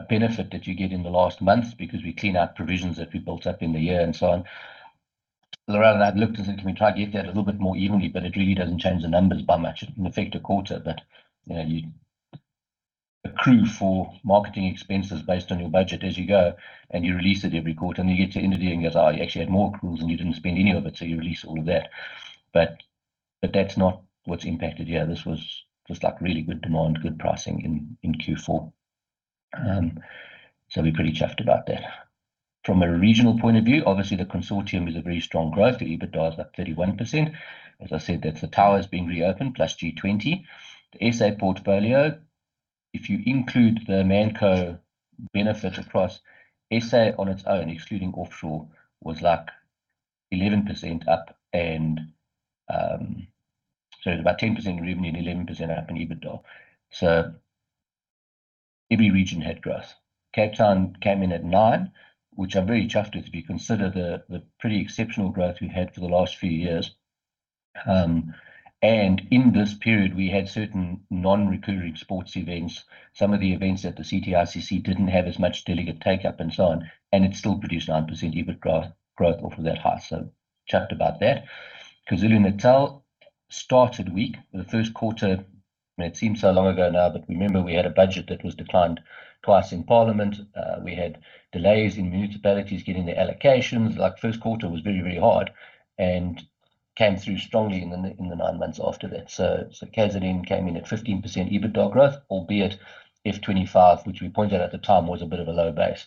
benefit that you get in the last months because we clean out provisions that we built up in the year and so on. Laurelle and I have looked and said, "Can we try to get that a little bit more evenly?" It really doesn't change the numbers by much. It can affect a quarter. You accrue for marketing expenses based on your budget as you go. You release it every quarter. You get to end of the year and go, "Oh, I actually had more accruals. You didn't spend any of it. You release all of that." That's not what's impacted here. This was just really good demand, good pricing in Q4. We're pretty chuffed about that. From a regional point of view, obviously, the consortium is a very strong growth. The EBITDA is up 31%. As I said, that's the tower's being reopened plus G20. The SA portfolio, if you include the Manco benefit across SA on its own, excluding offshore, was like 11% up. It's about 10% in revenue and 11% up in EBITDA. Every region had growth. Cape Town came in at 9%, which I'm very chuffed with if you consider the pretty exceptional growth we've had for the last few years. In this period, we had certain non-recurring sports events. Some of the events that the CTICC didn't have as much delegate takeup and so on. It still produced 9% EBIT growth off of that high. Chuffed about that. KwaZulu-Natal started weak. The first quarter, it seems so long ago now. Remember, we had a budget that was declined twice in Parliament. We had delays in municipalities getting their allocations. First quarter was very, very hard and came through strongly in the nine months after that. KZN came in at 15% EBITDA growth, albeit F25, which we pointed out at the time, was a bit of a low base.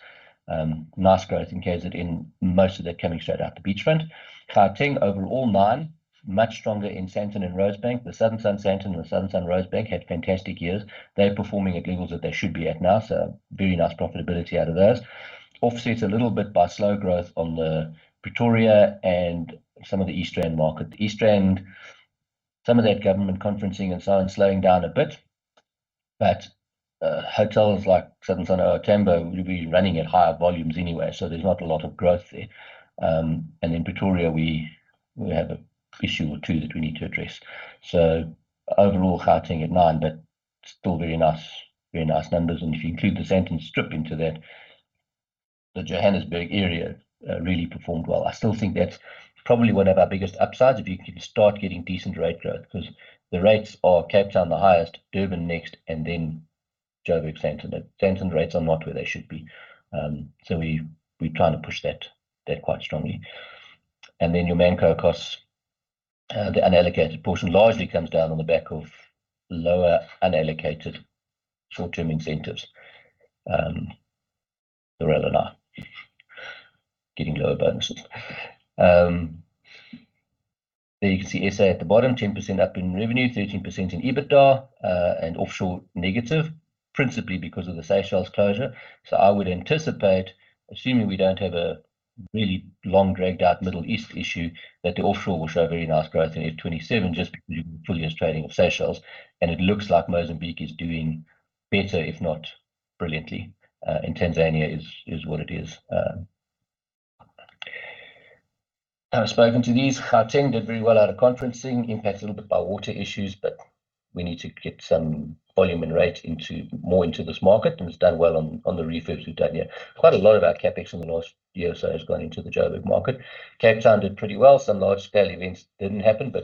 Nice growth in KZN most of that coming straight out the beachfront. Gauteng overall, 9%, much stronger in Sandton and Rosebank. The Southern Sun Sandton and the Southern Sun Rosebank had fantastic years. They're performing at levels that they should be at now. Very nice profitability out of those. Offsets a little bit by slow growth on the Pretoria and some of the East Rand market. The East Rand, some of that government conferencing and so on, slowing down a bit. Hotels like Southern Sun O.R. Tambo will be running at higher volumes anyway. There's not a lot of growth there. In Pretoria, we have an issue or two that we need to address. Overall, Gauteng at 9%, but still very nice, very nice numbers. If you include the Sandton Strip into that, the Johannesburg area really performed well. I still think that's probably one of our biggest upsides if you can start getting decent rate growth because the rates are Cape Town the highest, Durban next, and then Joburg, Sandton. Sandton rates are not where they should be. We're trying to push that quite strongly. Then your Manco costs, the unallocated portion largely comes down on the back of lower unallocated short-term incentives. Laurelle and I getting lower bonuses. There you can see SA at the bottom, 10% up in revenue, 13% in EBITDA, and offshore negative, principally because of the Seychelles closure. I would anticipate, assuming we don't have a really long dragged-out Middle East issue, that the offshore will show very nice growth in F27 just because you've got full-year trading of Seychelles. It looks like Mozambique is doing better, if not brilliantly. Tanzania is what it is. I've spoken to these. Gauteng did very well out of conferencing, impacted a little bit by water issues. We need to get some volume and rate more into this market. It's done well on the refurbs we've done here. Quite a lot of our CapEx in the last year or so has gone into the Joburg market. Cape Town did pretty well. Some large-scale events didn't happen.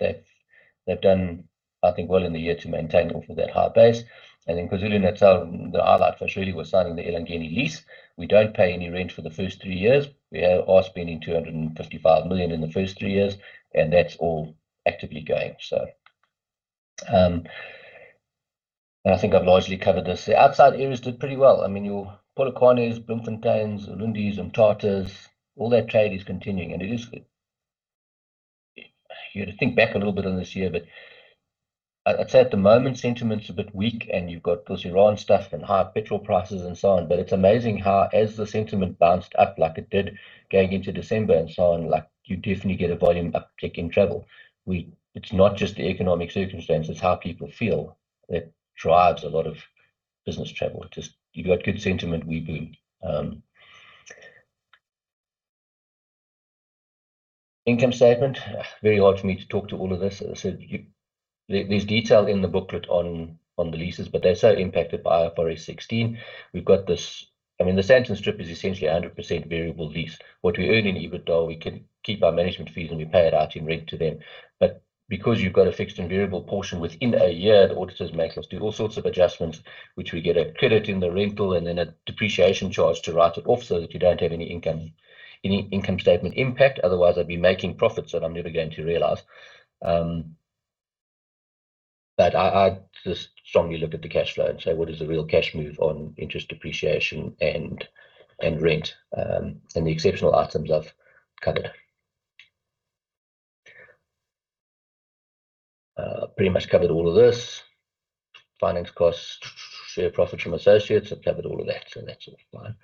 They've done, I think, well in the year to maintain off of that high base. KwaZulu-Natal, the highlight for us really was signing the Elangeni lease. We don't pay any rent for the first three years. We have our spending 255 million in the first three years. That's all actively going. I think I've largely covered this. The outside areas did pretty well. I mean, your Polokwanes, Bloemfonteins, Ulundis, and Mthathas, all that trade is continuing. It is good. You had to think back a little bit on this year. I'd say at the moment, sentiment's a bit weak. You've got those Iran stuff and high petrol prices and so on. It's amazing how, as the sentiment bounced up like it did going into December and so on, you definitely get a volume uptick in travel. It's not just the economic circumstance. It's how people feel that drives a lot of business travel. You've got good sentiment. We boom. Income statement, very odd for me to talk to all of this. As I said, there's detail in the booklet on the leases. They're so impacted by IFRS 16. I mean, the Sandton Strip is essentially 100% variable lease. What we earn in EBITDA, we can keep our management fees. We pay it out in rent to them. Because you've got a fixed and variable portion within a year, the auditors make us do all sorts of adjustments, which we get a credit in the rental and then a depreciation charge to write it off so that you don't have any income statement impact. Otherwise, I'd be making profits that I'm never going to realize. I just strongly look at the cash flow and say, "What is the real cash move on interest depreciation and rent?" The exceptional items I've covered pretty much covered all of this. Finance costs, share profits from associates, I've covered all of that. That's all fine.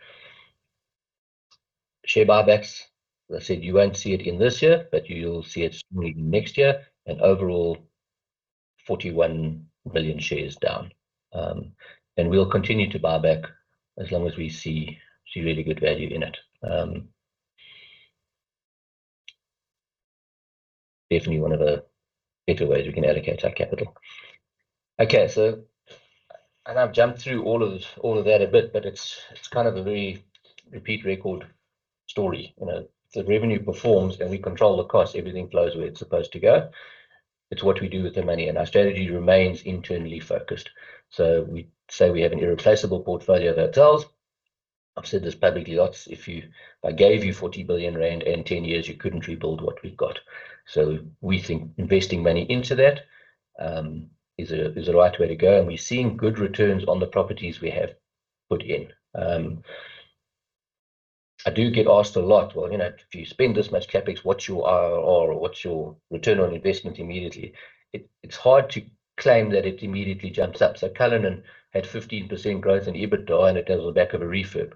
Share buybacks, as I said, you won't see it in this year. You'll see it strongly next year. Overall, 41 million shares down. We'll continue to buyback as long as we see really good value in it. Definitely one of the better ways we can allocate our capital. Okay. I've jumped through all of that a bit. It's kind of a very repeat record story. If the revenue performs and we control the costs, everything flows where it's supposed to go. It's what we do with the money. Our strategy remains internally focused. We say we have an irreplaceable portfolio that sells. I've said this publicly lots. If I gave you 40 billion rand and 10 years, you couldn't rebuild what we've got. We think investing money into that is the right way to go. We're seeing good returns on the properties we have put in. I do get asked a lot, "Well, if you spend this much CapEx, what's your RRR or what's your return on investment immediately?" It's hard to claim that it immediately jumps up. Cullinan had 15% growth in EBITDA. It does on the back of a refurb.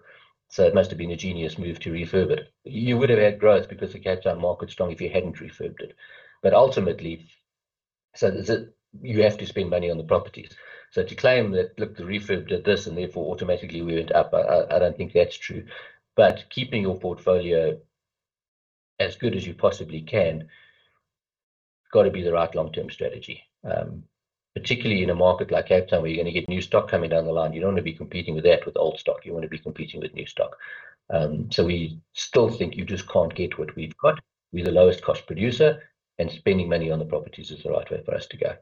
It must have been a genius move to refurb it. You would have had growth because the Cape Town market's strong if you hadn't refurbed it. Ultimately, so you have to spend money on the properties. To claim that, "Look, the refurb did this. Therefore, automatically, we went up," I don't think that's true. Keeping your portfolio as good as you possibly can has got to be the right long-term strategy, particularly in a market like Cape Town where you're going to get new stock coming down the line. You don't want to be competing with that with old stock. You want to be competing with new stock. We still think you just can't get what we've got. We're the lowest-cost producer. Spending money on the properties is the right way for us to go.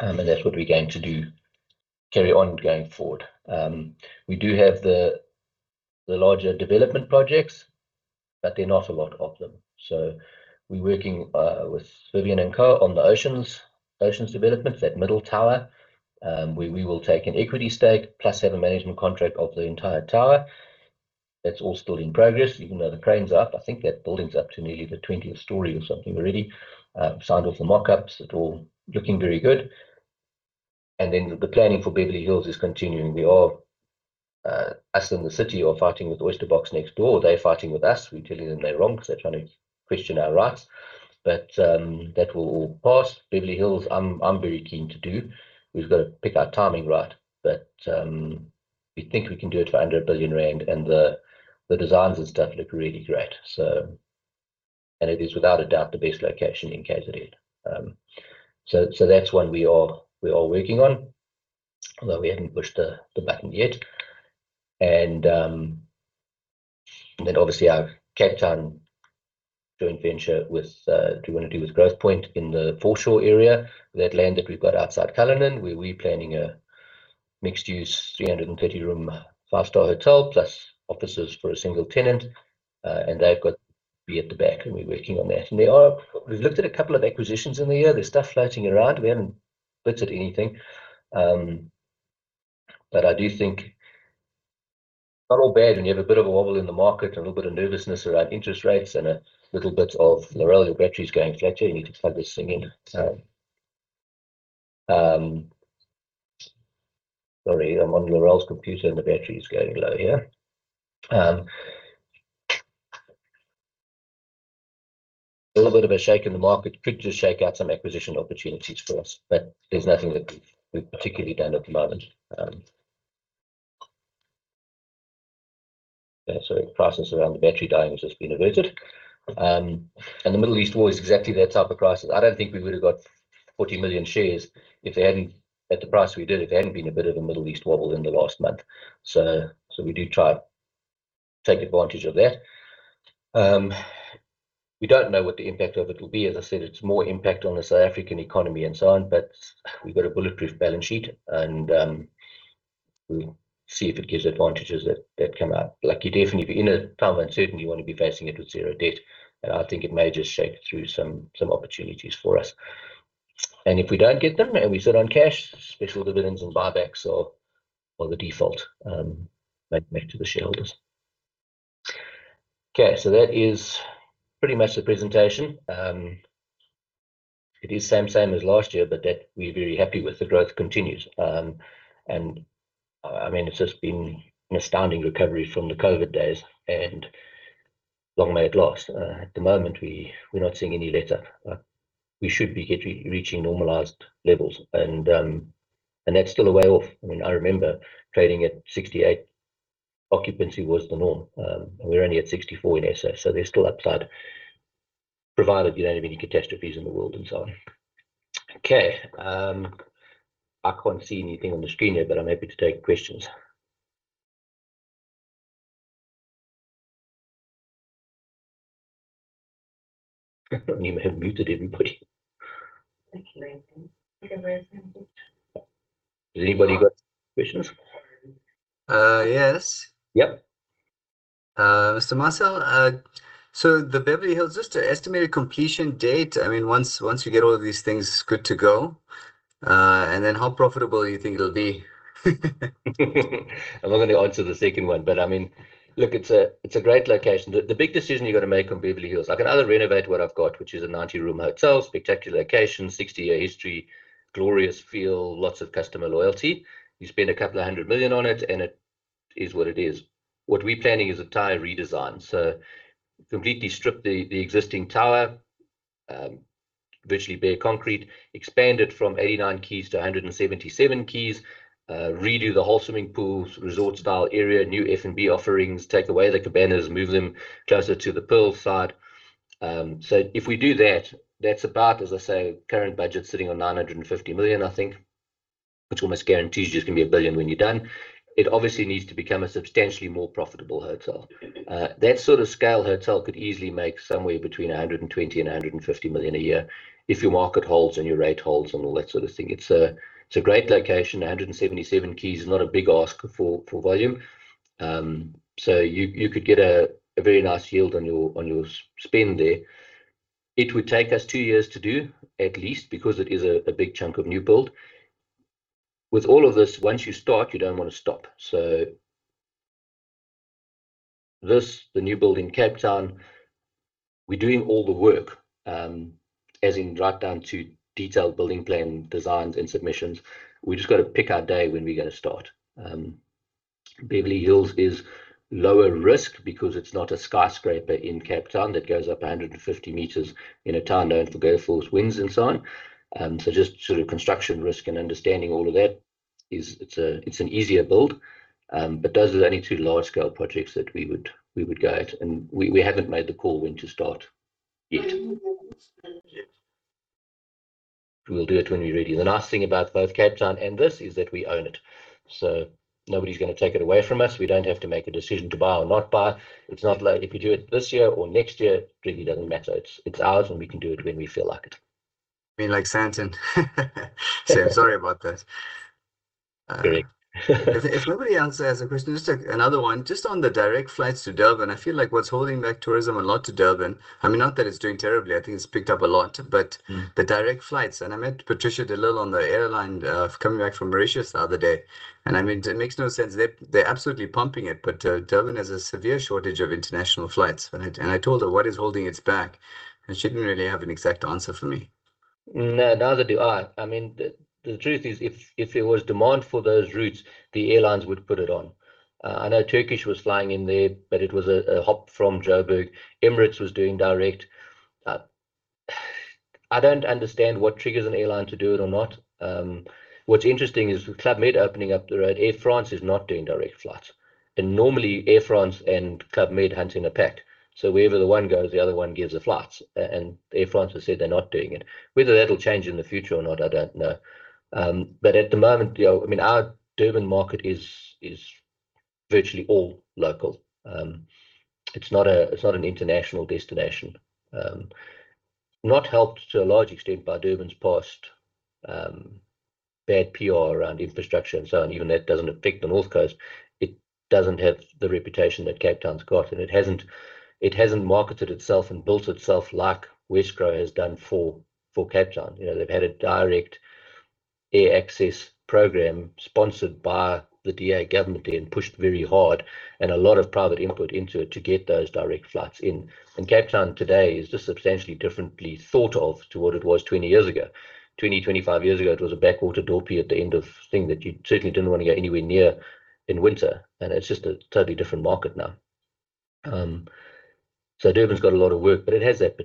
That's what we're going to carry on going forward. We do have the larger development projects. There are not a lot of them. We're working with Vivian & Co on the oceans developments, that middle tower, where we will take an equity stake plus have a management contract of the entire tower. That's all still in progress, even though the crane's up. I think that building's up to nearly the 20th story or something already. Signed off the mockups. It's all looking very good. The planning for Beverly Hills is continuing. Us and the city are fighting with Oyster Box next door. They're fighting with us. We're telling them they're wrong because they're trying to question our rights. That will all pass. Beverly Hills, I'm very keen to do. We've got to pick our timing right. We think we can do it for under a billion Rand. The designs and stuff look really great. It is, without a doubt, the best location in KwaZulu-Natal. That's one we are working on, although we haven't pushed the button yet. Then, obviously, our Cape Town joint venture with Growthpoint in the foreshore area, that land that we've got outside The Cullinan, where we're planning a mixed-use, 330-room 5-star hotel plus offices for a single tenant. They've got beer at the back. We're working on that. We've looked at a couple of acquisitions in the year. There's stuff floating around. We haven't purchased anything. I do think it's not all bad. You have a bit of a wobble in the market and a little bit of nervousness around interest rates and a little bit of Laurelle, your battery's going flat here. You need to plug this thing in. Sorry. I'm on Laurelle's computer. The battery's going low here. A little bit of a shake in the market could just shake out some acquisition opportunities for us. There's nothing that we've particularly done at the moment. Sorry. Crisis around the battery dying has just been averted. The Middle East war is exactly that type of crisis. I don't think we would have got 40 million shares at the price we did if there hadn't been a bit of a Middle East wobble in the last month. We do try to take advantage of that. We don't know what the impact of it will be. As I said, it's more impact on the South African economy and so on. We've got a bulletproof balance sheet. We'll see if it gives advantages that come out. You definitely, if you're in a time of uncertainty, want to be facing it with zero debt. I think it may just shake through some opportunities for us. If we don't get them and we sit on cash, special dividends and buybacks or the default make it back to the shareholders. Okay. That is pretty much the presentation. It is same as last year. We're very happy with the growth continues. I mean, it's just been an astounding recovery from the COVID days. Long may it last. At the moment, we're not seeing any latter. We should be reaching normalized levels. That's still a way off. I mean, I remember trading at 68. Occupancy was the norm. We're only at 64 in SA. They're still upside, provided you don't have any catastrophes in the world and so on. Okay. I can't see anything on the screen here. I'm happy to take questions. You may have muted everybody. Does anybody got questions? Yes. Yep. Mr. Marcel, the Beverly Hills, just an estimated completion date, I mean, once you get all of these things good to go, how profitable do you think it'll be? I'm not going to answer the second one. I mean, look, it's a great location. The big decision you've got to make on Beverly Hills, I can either renovate what I've got, which is a 90-room hotel, spectacular location, 60-year history, glorious feel, lots of customer loyalty. You spend a couple hundred million on it. And it is what it is. What we're planning is a tie redesign. So completely strip the existing tower, virtually bare concrete, expand it from 89 keys to 177 keys, redo the whole swimming pool, resort-style area, new F&B offerings, take away the Cabanas, move them closer to the Pearl Valley. So if we do that's about, as I say, current budget sitting on 950 million, I think, which almost guarantees you it's going to be 1 billion when you're done. It obviously needs to become a substantially more profitable hotel. That sort of scale hotel could easily make somewhere between 120 million and 150 million a year if your market holds and your rate holds and all that sort of thing. It's a great location. 177 keys is not a big ask for volume. You could get a very nice yield on your spend there. It would take us two years to do, at least, because it is a big chunk of new build. With all of this, once you start, you don't want to stop. This, the new building Cape Town, we're doing all the work, as in right down to detailed building plan designs and submissions. We've just got to pick our day when we're going to start. Beverly Hills is lower risk because it's not a skyscraper in Cape Town that goes up 150m in a town known for golf course, winds, and so on. Just sort of construction risk and understanding all of that, it's an easier build. Those are the only two large-scale projects that we would go at. We haven't made the call when to start yet. We'll do it when we're ready. The nice thing about both Cape Town and this is that we own it. Nobody's going to take it away from us. We don't have to make a decision to buy or not buy. If you do it this year or next year, it really doesn't matter. It's ours. We can do it when we feel like it. I mean, like Sandton. I'm sorry about that. Correct. If nobody else has a question, just another one. Just on the direct flights to Durban, I feel like what's holding back tourism a lot to Durban I mean, not that it's doing terribly. I think it's picked up a lot. The direct flights and I met Patricia de Lille on the airline coming back from Mauritius the other day. I mean, it makes no sense. They're absolutely pumping it. Durban has a severe shortage of international flights. I told her, "What is holding its back?" She didn't really have an exact answer for me. Neither do I. I mean, the truth is, if there was demand for those routes, the airlines would put it on. I know Turkish was flying in there. It was a hop from Joburg. Emirates was doing direct. I don't understand what triggers an airline to do it or not. What's interesting is Club Med opening up the road. Air France is not doing direct flights. Normally, Air France and Club Med hunt in a pack. Wherever the one goes, the other one gives the flights. Air France has said they're not doing it. Whether that'll change in the future or not, I don't know. At the moment, I mean, our Durban market is virtually all local. It's not an international destination, not helped to a large extent by Durban's past bad PR around infrastructure and so on. Even that doesn't affect the North Coast. It doesn't have the reputation that Cape Town's got. It hasn't marketed itself and built itself like Wesgro has done for Cape Town. They've had a direct air access program sponsored by the DA government. Pushed very hard and a lot of private input into it to get those direct flights in. Cape Town today is just substantially differently thought of to what it was 20 years ago. 20, 25 years ago, it was a backwater door piece at the end of thing that you certainly didn't want to go anywhere near in winter. It's just a totally different market now. Durban's got a lot of work. It has that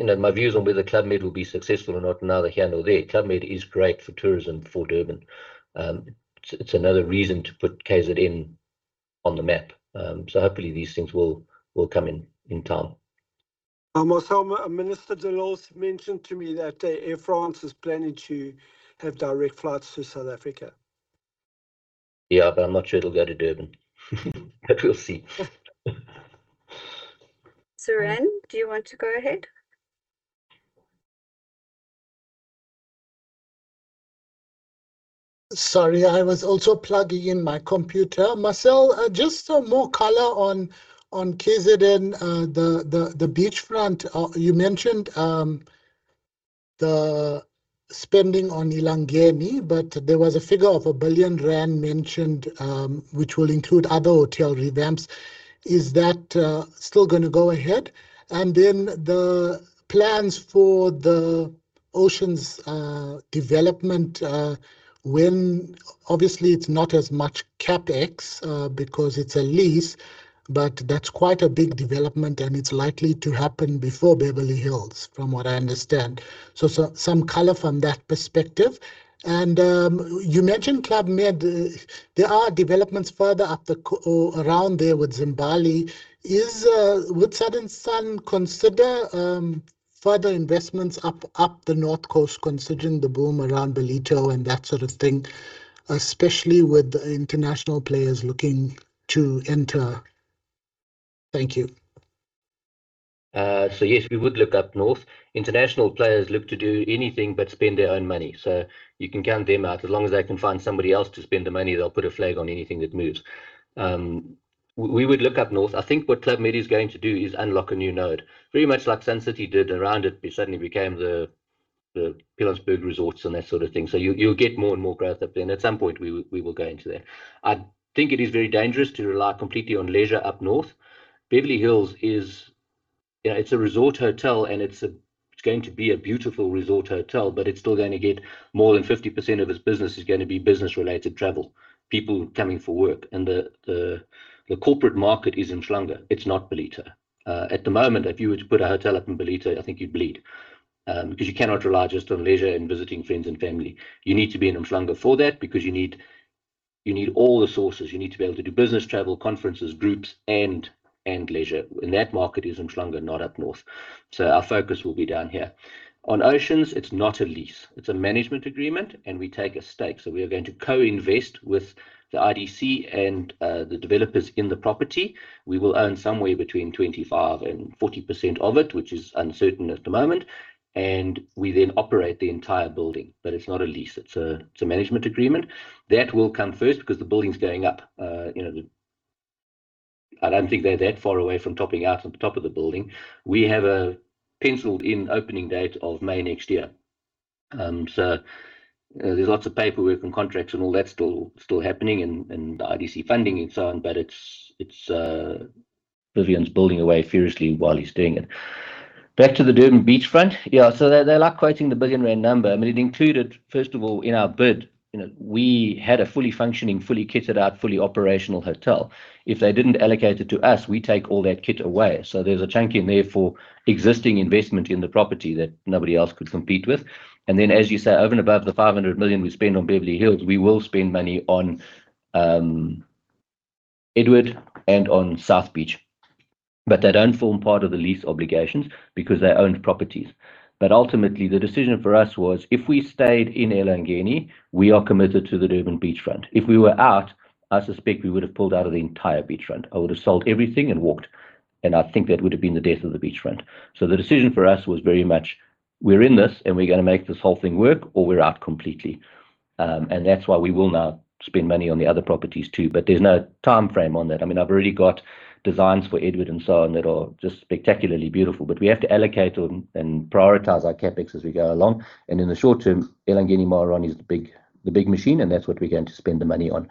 potential. My views on whether Club Med will be successful or not are neither here nor there. Club Med is great for tourism for Durban. It's another reason to put KwaZulu-Natal on the map. Hopefully, these things will come in time. Marcel, Minister de Lille's mentioned to me that Air France is planning to have direct flights to South Africa. Yeah. I'm not sure it'll go to Durban. We'll see. Sarane, do you want to go ahead? Sorry. I was also plugging in my computer. Marcel, more color on KZN, the beachfront. You mentioned the spending on Elangeni. There was a figure of 1 billion rand mentioned, which will include other hotel revamps. Is that still going to go ahead? The plans for the oceans development, when obviously, it's not as much CapEx because it's a lease. That's quite a big development. It's likely to happen before Beverly Hills, from what I understand. Some color from that perspective. You mentioned Club Med. There are developments further up around there with Zimbali. Would Southern Sun consider further investments up the North Coast, considering the boom around Ballito and that sort of thing, especially with international players looking to enter? Thank you. Yes, we would look up north. International players look to do anything but spend their own money. You can count them out. As long as they can find somebody else to spend the money, they'll put a flag on anything that moves. We would look up north. I think what Club Med is going to do is unlock a new node, very much like Sun City did around it. It suddenly became the Pilanesberg Resorts and that sort of thing. You'll get more and more growth up there. At some point, we will go into that. I think it is very dangerous to rely completely on leisure up north. Beverly Hills, it's a resort hotel. It's going to be a beautiful resort hotel. It's still going to get more than 50% of its business is going to be business-related travel, people coming for work. The corporate market is in uMhlanga. It's not Ballito. At the moment, if you were to put a hotel up in Ballito, I think you'd bleed because you cannot rely just on leisure and visiting friends and family. You need to be in uMhlanga for that because you need all the sources. You need to be able to do business travel, conferences, groups, and leisure. That market is in uMhlanga, not up north. Our focus will be down here. On oceans, it's not a lease. It's a management agreement. We take a stake. We are going to co-invest with the IDC and the developers in the property. We will own somewhere between 25% and 40% of it, which is uncertain at the moment. We then operate the entire building. It's not a lease. It's a management agreement. That will come first because the building's going up. I don't think they're that far away from topping out on top of the building. We have a penciled-in opening date of May next year. There's lots of paperwork and contracts and all that still happening and the IDC funding and so on. Vivian's building away furiously while he's doing it. Back to the Durban beachfront. Yeah. They're like quoting the 1 billion rand number. I mean, it included, first of all, in our bid, we had a fully functioning, fully kitted out, fully operational hotel. If they didn't allocate it to us, we take all that kit away. There's a chunk in there for existing investment in the property that nobody else could compete with. As you say, over and above the 500 million we spend on Beverly Hills, we will spend money on The Edward and on South Beach. They don't form part of the lease obligations because they own properties. The decision for us was, if we stayed in Elangeni, we are committed to the Durban beachfront. If we were out, I suspect we would have pulled out of the entire beachfront. I would have sold everything and walked. I think that would have been the death of the beachfront. The decision for us was very much, we're in this. We're going to make this whole thing work. We're out completely. That's why we will now spend money on the other properties too. There's no time frame on that. I've already got designs for Edward and so on that are just spectacularly beautiful. We have to allocate and prioritize our CapEx as we go along. In the short-term, Elangeni & Maharani is the big machine. That's what we're going to spend the money on.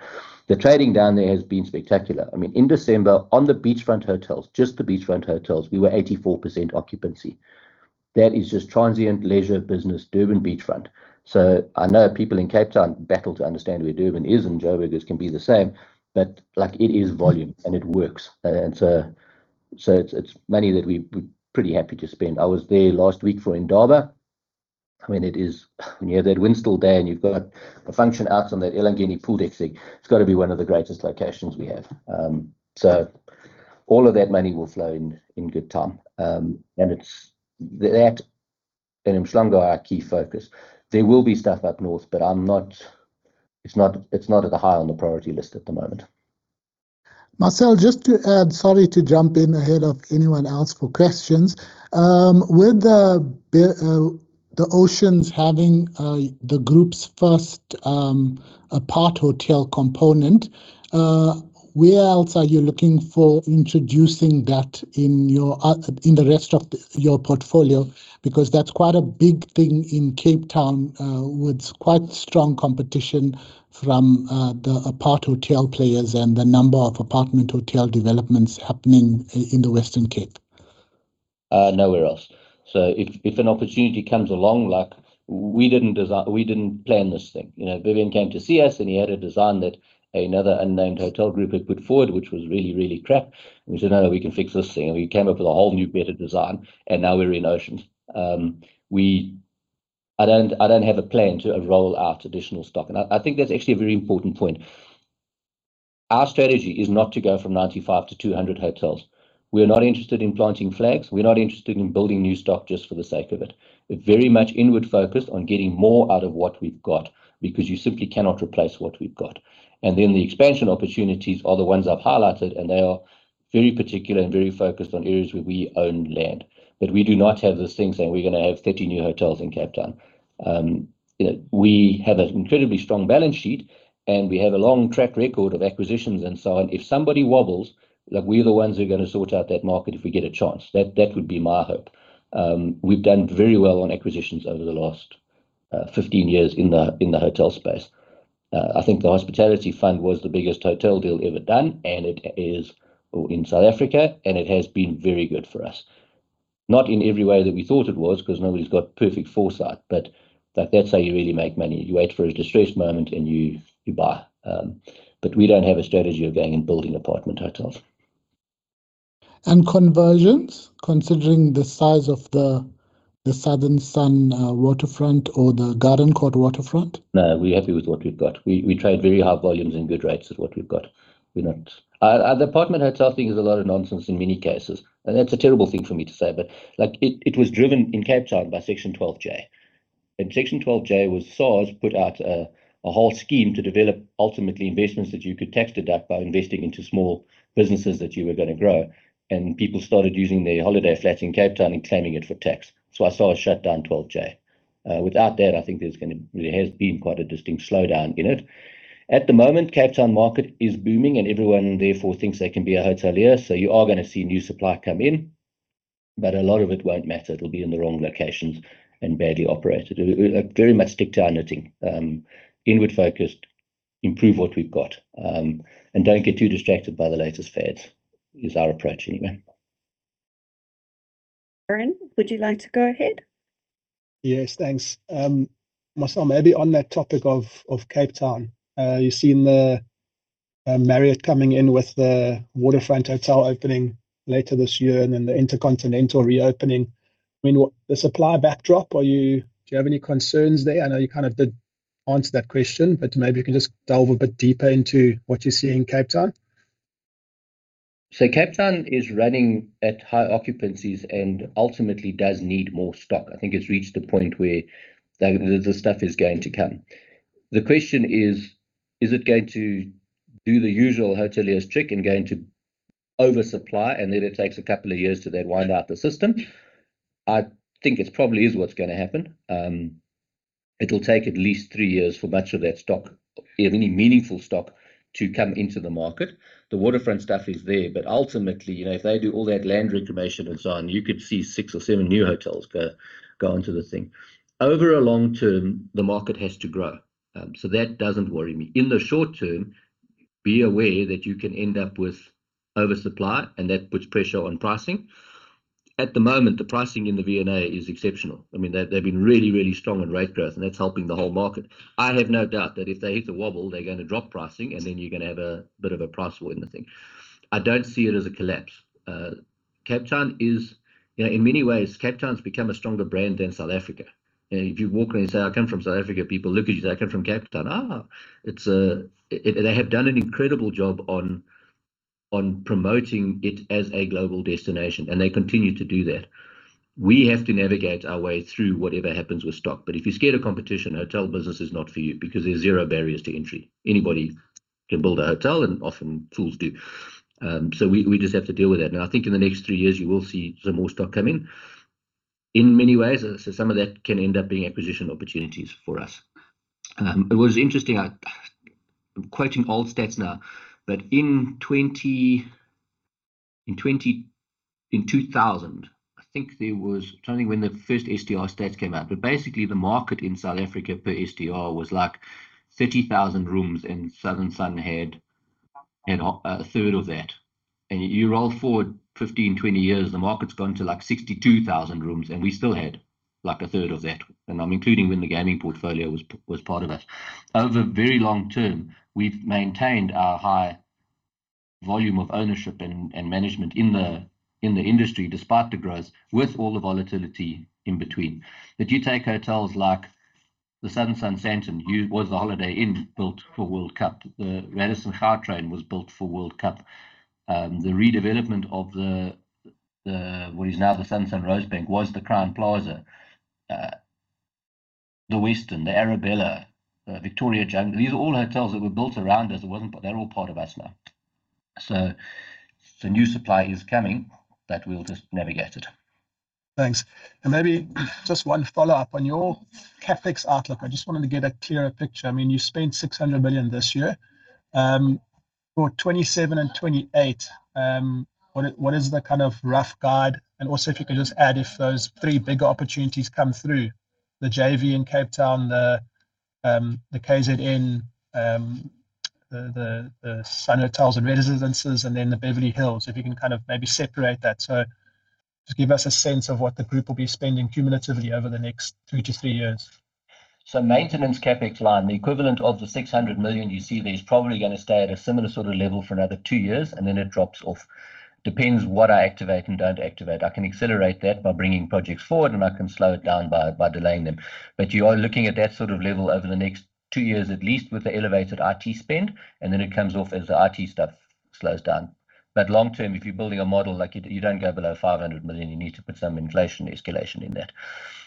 The trading down there has been spectacular. In December, on the beachfront hotels, just the beachfront hotels, we were 84% occupancy. That is just transient leisure business, Durban beachfront. I know people in Cape Town battle to understand where Durban is and Joburg can be the same. It is volume. It works. It's money that we're pretty happy to spend. I was there last week for Indaba. I mean, when you have that Winstall day and you've got a function out on that Elangeni pool deck, it's got to be one of the greatest locations we have. All of that money will flow in good time. That, in uMhlanga, our key focus. There will be stuff up north. It's not at the high on the priority list at the moment. Marcel, just to add, sorry to jump in ahead of anyone else for questions. With the oceans having the group's first apart hotel component, where else are you looking for introducing that in the rest of your portfolio? Because that's quite a big thing in Cape Town with quite strong competition from the apart hotel players and the number of apartment hotel developments happening in the Western Cape. Nowhere else. If an opportunity comes along, we didn't plan this thing. Vivian came to see us. He had a design that another unnamed hotel group had put forward, which was really, really crap. We said, "No, no. We can fix this thing." We came up with a whole new, better design. Now we're in oceans. I don't have a plan to roll out additional stock. I think that's actually a very important point. Our strategy is not to go from 95 to 200 hotels. We're not interested in planting flags. We're not interested in building new stock just for the sake of it, very much inward-focused on getting more out of what we've got because you simply cannot replace what we've got. Then the expansion opportunities are the ones I've highlighted. They are very particular and very focused on areas where we own land. We do not have this thing saying, "We're going to have 30 new hotels in Cape Town." We have an incredibly strong balance sheet. We have a long track record of acquisitions and so on. If somebody wobbles, we're the ones who are going to sort out that market if we get a chance. That would be my hope. We've done very well on acquisitions over the last 15 years in the hotel space. I think the Hospitality Fund was the biggest hotel deal ever done. It is in South Africa. It has been very good for us, not in every way that we thought it was because nobody's got perfect foresight. That's how you really make money. You wait for a distressed moment. You buy. We don't have a strategy of going and building apartment hotels. Conversions, considering the size of the Southern Sun Waterfront or the Garden Court waterfront? No. We're happy with what we've got. We trade very high volumes and good rates at what we've got. The apartment hotel thing is a lot of nonsense in many cases. That's a terrible thing for me to say. It was driven in Cape Town by Section 12J. Section 12J was SARS's put out a whole scheme to develop, ultimately, investments that you could tax deduct by investing into small businesses that you were going to grow. People started using their holiday flats in Cape Town and claiming it for tax. I saw it shut down 12J. Without that, I think there's going to really have been quite a distinct slowdown in it. At the moment, Cape Town market is booming. Everyone, therefore, thinks they can be a hotelier. You are going to see new supply come in. A lot of it won't matter. It'll be in the wrong locations and badly operated, very much stick to our knitting, inward-focused, improve what we've got, and don't get too distracted by the latest fads is our approach anyway. Saran, would you like to go ahead? Yes. Thanks. Marcel, maybe on that topic of Cape Town, you've seen the Marriott coming in with the waterfront hotel opening later this year and then the InterContinental reopening. I mean, the supply backdrop, do you have any concerns there? I know you kind of did answer that question. Maybe you can just delve a bit deeper into what you see in Cape Town. Cape Town is running at high occupancies and ultimately does need more stock. I think it's reached the point where the stuff is going to come. The question is it going to do the usual hoteliers trick and going to oversupply? It takes a couple of years to then wind out the system. I think it probably is what's going to happen. It'll take at least three years for much of that stock, if any meaningful stock, to come into the market. The waterfront stuff is there. Ultimately, if they do all that land reclamation and so on, you could see six or seven new hotels go onto the thing. Over a long term, the market has to grow. That doesn't worry me. In the short-term, be aware that you can end up with oversupply. That puts pressure on pricing. At the moment, the pricing in the V&A is exceptional. I mean, they've been really, really strong in rate growth. That's helping the whole market. I have no doubt that if they hit the wobble, they're going to drop pricing. Then you're going to have a bit of a price war in the thing. I don't see it as a collapse. Cape Town is, in many ways, Cape Town's become a stronger brand than South Africa. If you walk around and say, "I come from South Africa," people look at you and say, "I come from Cape Town." They have done an incredible job on promoting it as a global destination. They continue to do that. We have to navigate our way through whatever happens with stock. If you're scared of competition, hotel business is not for you because there's zero barriers to entry. Anybody can build a hotel. Often, fools do. We just have to deal with that. I think in the next three years, you will see some more stock come in in many ways. Some of that can end up being acquisition opportunities for us. It was interesting. I'm quoting old stats now. In 2000, I think there was I'm trying to think when the first STR stats came out. Basically, the market in South Africa per STR was like 30,000 rooms. Southern Sun had a third of that. You roll forward 15, 20 years, the market's gone to like 62,000 rooms. We still had like a third of that. I'm including when the gaming portfolio was part of it. Over very long-term, we've maintained our high volume of ownership and management in the industry despite the growth with all the volatility in between. If you take hotels like the Southern Sun Sandton, was the Holiday Inn built for World Cup. The Radisson Gautrain was built for World Cup. The redevelopment of what is now the Southern Sun Rosebank was the Crowne Plaza, the Westin, the Arabella, Victoria Junction. These are all hotels that were built around us. They're all part of us now. New supply is coming. We'll just navigate it. Thanks. Maybe just one follow-up on your CapEx outlook. I just wanted to get a clearer picture. I mean, you spent 600 million this year. For 2027 and 2028, what is the kind of rough guide? Also, if you could just add, if those three bigger opportunities come through, the JV in Cape Town, the KZN, the Sun Hotels and Residences, and then the Beverly Hills, if you can kind of maybe separate that, so just give us a sense of what the group will be spending cumulatively over the next two to three years. Maintenance CapEx line, the equivalent of the 600 million you see there is probably going to stay at a similar sort of level for another two years. Then it drops off. Depends what I activate and don't activate. I can accelerate that by bringing projects forward. I can slow it down by delaying them. You are looking at that sort of level over the next 2 years, at least with the elevated IT spend. Then it comes off as the IT stuff slows down. Long-term, if you're building a model, you don't go below 500 million. You need to put some inflation escalation in that.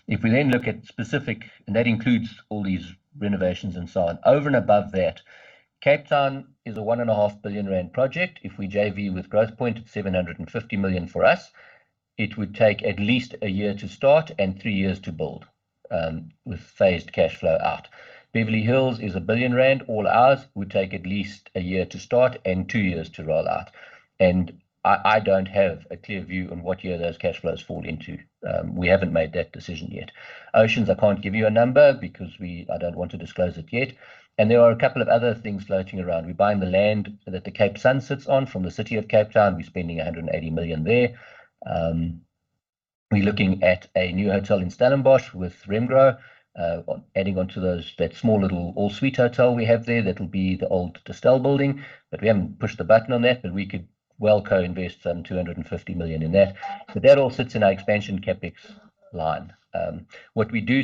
If we then look at specific and that includes all these renovations and so on, over and above that, Cape Town is a 1.5 billion rand project. If we JV with Growthpoint, it's 750 million for us. It would take at least a year to start and three years to build with phased cash flow out. Beverly Hills is 1 billion rand. All ours would take at least a year to start and two years to roll out. I don't have a clear view on what year those cash flows fall into. We haven't made that decision yet. Oceans, I can't give you a number because I don't want to disclose it yet. There are a couple of other things floating around. We buy in the land that the Cape Sun sits on from the city of Cape Town. We're spending 180 million there. We're looking at a new hotel in Stellenbosch with Remgro, adding onto that small little all-suite hotel we have there. That'll be the old Distell building. We haven't pushed the button on that. We could well co-invest some 250 million in that. That all sits in our expansion CapEx line. What we do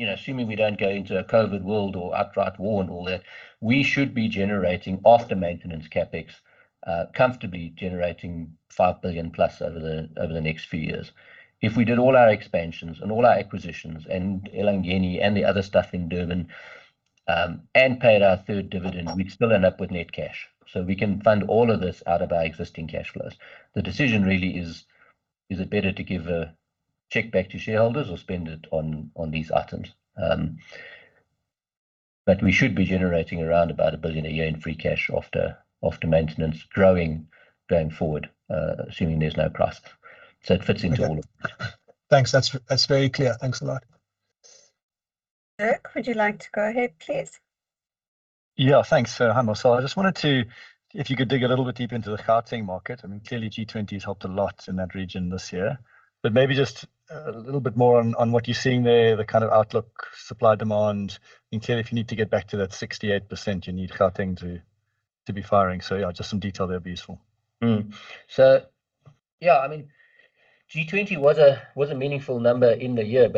say is that, assuming we don't go into a COVID world or outright war and all that, we should be generating off the maintenance CapEx, comfortably generating 5 billion+ over the next few years. If we did all our expansions and all our acquisitions and Elangeni and the other stuff in Durban and paid our third dividend, we'd still end up with net cash. We can fund all of this out of our existing cash flows. The decision really is it better to give a check back to shareholders or spend it on these items? We should be generating around about 1 billion a year in free cash off the maintenance, growing going forward, assuming there's no price. It fits into all of this. Thanks. That's very clear. Thanks a lot. Eric, would you like to go ahead, please? Yeah. Thanks. If you could dig a little bit deeper into the Gauteng market. I mean, clearly, G20 has helped a lot in that region this year. Maybe just a little bit more on what you're seeing there, the kind of outlook, supply-demand. I mean, clearly, if you need to get back to that 68%, you need Gauteng to be firing. Yeah, just some detail there would be useful. Yeah. I mean, G20 was a meaningful number in the year.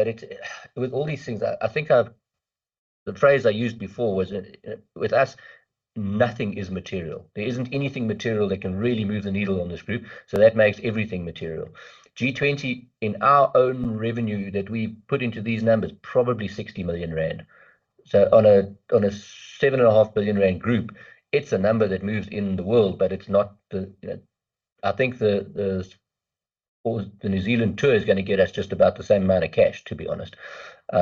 With all these things, I think the phrase I used before was, with us, nothing is material. There isn't anything material that can really move the needle on this group. That makes everything material. G20, in our own revenue that we put into these numbers, probably 60 million rand. On a 7.5 billion rand group, it's a number that moves in the world. It's not the I think the New Zealand tour is going to get us just about the same amount of cash, to be honest. I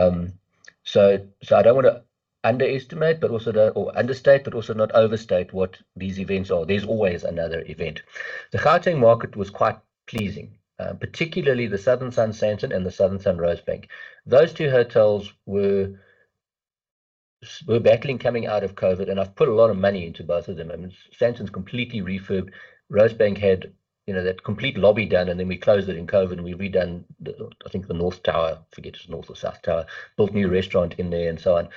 don't want to underestimate or understate, but also not overstate what these events are. There's always another event. The Gauteng market was quite pleasing, particularly the Southern Sun Sandton and the Southern Sun Rosebank. Those two hotels were battling coming out of COVID. I've put a lot of money into both of them. I mean, Sandton's completely refurbished. Rosebank had that complete lobby done. We closed it in COVID. We redone, I think, the North Tower - forget if it's North or South Tower - built a new restaurant in there and so on.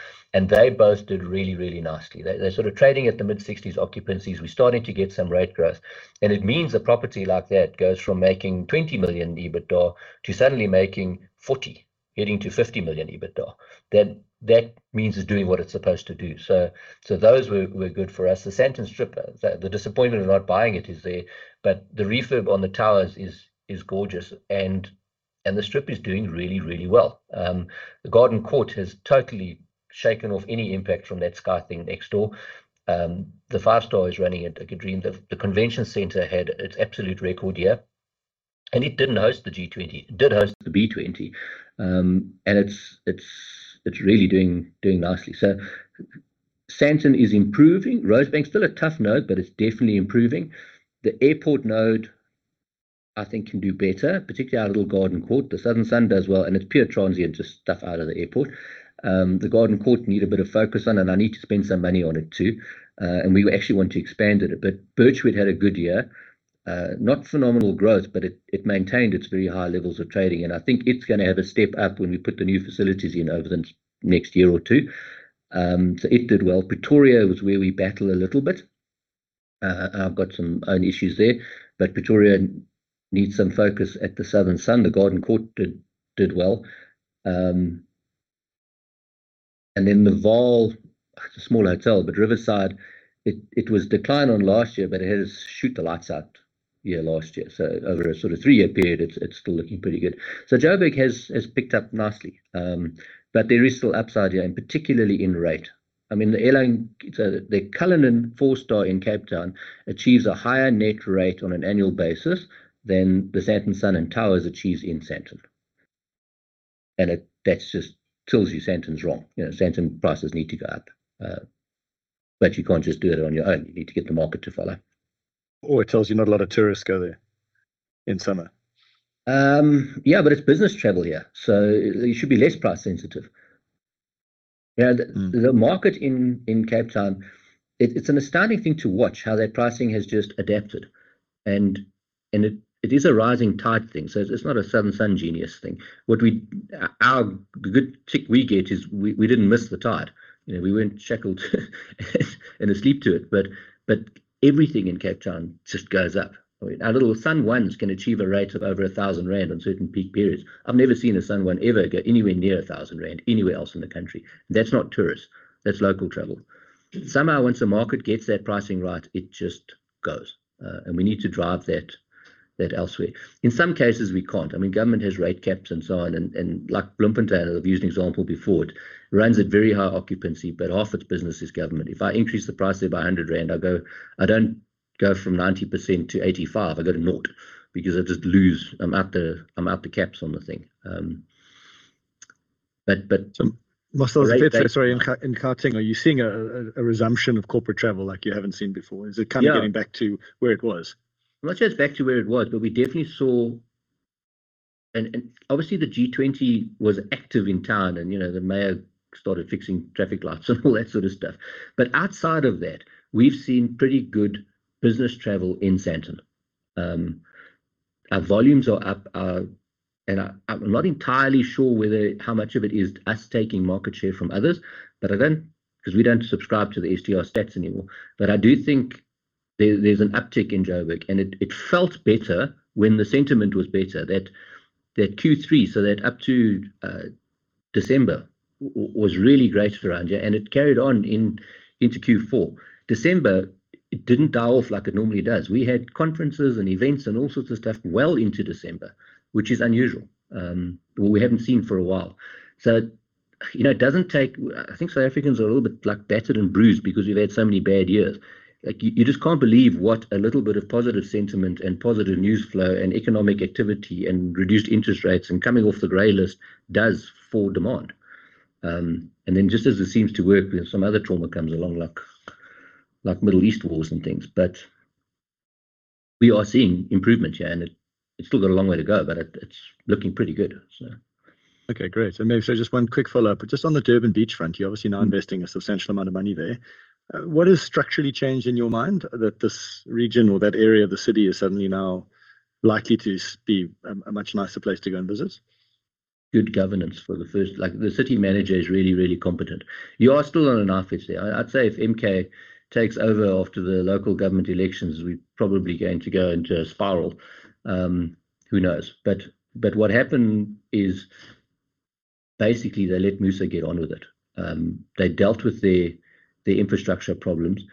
They both did really, really nicely. They're sort of trading at the mid-60s occupancies. We're starting to get some rate growth. It means a property like that goes from making 20 million EBITDA to suddenly making 40 million, heading to 50 million EBITDA. That means it's doing what it's supposed to do. Those were good for us. The Sandton Strip, the disappointment of not buying it is there. The refurb on the towers is gorgeous. The Sandton Strip is doing really, really well. The Garden Court has totally shaken off any impact from that sky thing next door. The five-storey is running like a dream. The convention center had its absolute record year. It didn't host the G20. It did host the B20. It's really doing nicely. Sandton is improving. Rosebank's still a tough node. It's definitely improving. The airport node, I think, can do better, particularly our little Garden Court. The Southern Sun does well. It's pure transient, just stuff out of the airport. The Garden Court need a bit of focus on. I need to spend some money on it too. We actually want to expand it a bit. Birchwood had a good year, not phenomenal growth. It maintained its very high levels of trading. I think it's going to have a step up when we put the new facilities in over the next year or two. It did well. Pretoria was where we battled a little bit. I've got some own issues there. Pretoria needs some focus at the Southern Sun. The Garden Court did well. The Vaal, it's a small hotel. Riverside Sun, it was decline on last year. It had to shoot the lights out year last year. Over a sort of three-year period, it's still looking pretty good. Joburg has picked up nicely. There is still upside here, and particularly in rate. I mean, The Cullinan 4-star in Cape Town achieves a higher net rate on an annual basis than the Sandton Sun and towers achieve in Sandton. That just tells you Sandton's wrong. Sandton prices need to go up. You can't just do it on your own. You need to get the market to follow. Oh, it tells you not a lot of tourists go there in summer. Yeah. It's business travel here. You should be less price sensitive. The market in Cape Town, it's an astounding thing to watch how that pricing has just adapted. It is a rising tide thing. It's not a Southern Sun genius thing. Our good tick we get is, we didn't miss the tide. We weren't shackled in a sleep to it. Everything in Cape Town just goes up. Our little SUN1s can achieve a rate of over 1,000 rand on certain peak periods. I've never seen a SUN1 ever go anywhere near 1,000 rand anywhere else in the country. That's not tourists. That's local travel. Somehow, once the market gets that pricing right, it just goes. We need to drive that elsewhere. In some cases, we can't. I mean, government has rate caps and so on. Like Bloemfontein, I've used an example before. It runs at very high occupancy. Half its business is government. If I increase the price there by 100 rand, I don't go from 90% to 85%. I go to 0 because I just lose I'm out the caps on the thing. Whilst I was a bit sorry, in Gauteng, are you seeing a resumption of corporate travel like you haven't seen before? Is it kind of getting back to where it was? Not just back to where it was. We definitely saw and obviously, the G20 was active in town. The mayor started fixing traffic lights and all that sort of stuff. Outside of that, we've seen pretty good business travel in Sandton. Our volumes are up. I'm not entirely sure how much of it is us taking market share from others. Because we don't subscribe to the STR stats anymore. I do think there's an uptick in Joburg. It felt better when the sentiment was better, that Q3, so that up to December, was really great for Joburg. It carried on into Q4. December, it didn't die off like it normally does. We had conferences and events and all sorts of stuff well into December, which is unusual, what we haven't seen for a while. It doesn't take I think South Africans are a little bit battered and bruised because we've had so many bad years. You just can't believe what a little bit of positive sentiment and positive news flow and economic activity and reduced interest rates and coming off the grey list does for demand. Just as it seems to work, some other trauma comes along, like Middle East wars and things. We are seeing improvement here. It's still got a long way to go. It's looking pretty good. Okay. Great. Maybe just one quick follow-up. Just on the Durban beachfront, you're obviously now investing a substantial amount of money there. What has structurally changed in your mind that this region or that area of the city is suddenly now likely to be a much nicer place to go and visit? Good governance for the first the city manager is really competent. You are still on an office there. I'd say if MK takes over after the local government elections, we're probably going to go into a spiral. Who knows? What happened is, basically, they let Moosa get on with it. They dealt with their infrastructure problems.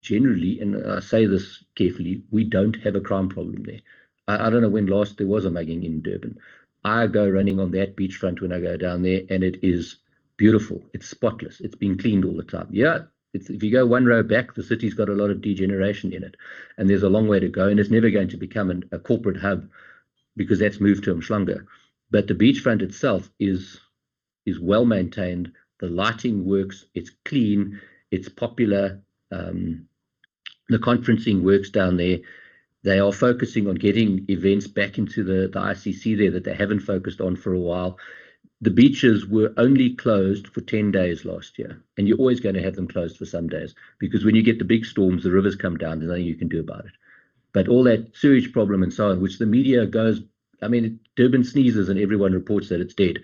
Generally, and I say this carefully, we don't have a crime problem there. I don't know when last there was a mugging in Durban. I go running on that beachfront when I go down there. It is beautiful. It's spotless. It's been cleaned all the time. Yeah. If you go one row back, the city's got a lot of degeneration in it. There's a long way to go. It's never going to become a corporate hub because that's moved to uMhlanga. The beachfront itself is well maintained. The lighting works. It's clean. It's popular. The conferencing works down there. They are focusing on getting events back into the ICC there that they haven't focused on for a while. The beaches were only closed for 10 days last year. You're always going to have them closed for some days because when you get the big storms, the rivers come down. There's nothing you can do about it. All that sewage problem and so on, which the media goes I mean, Durban sneezes. Everyone reports that it's dead.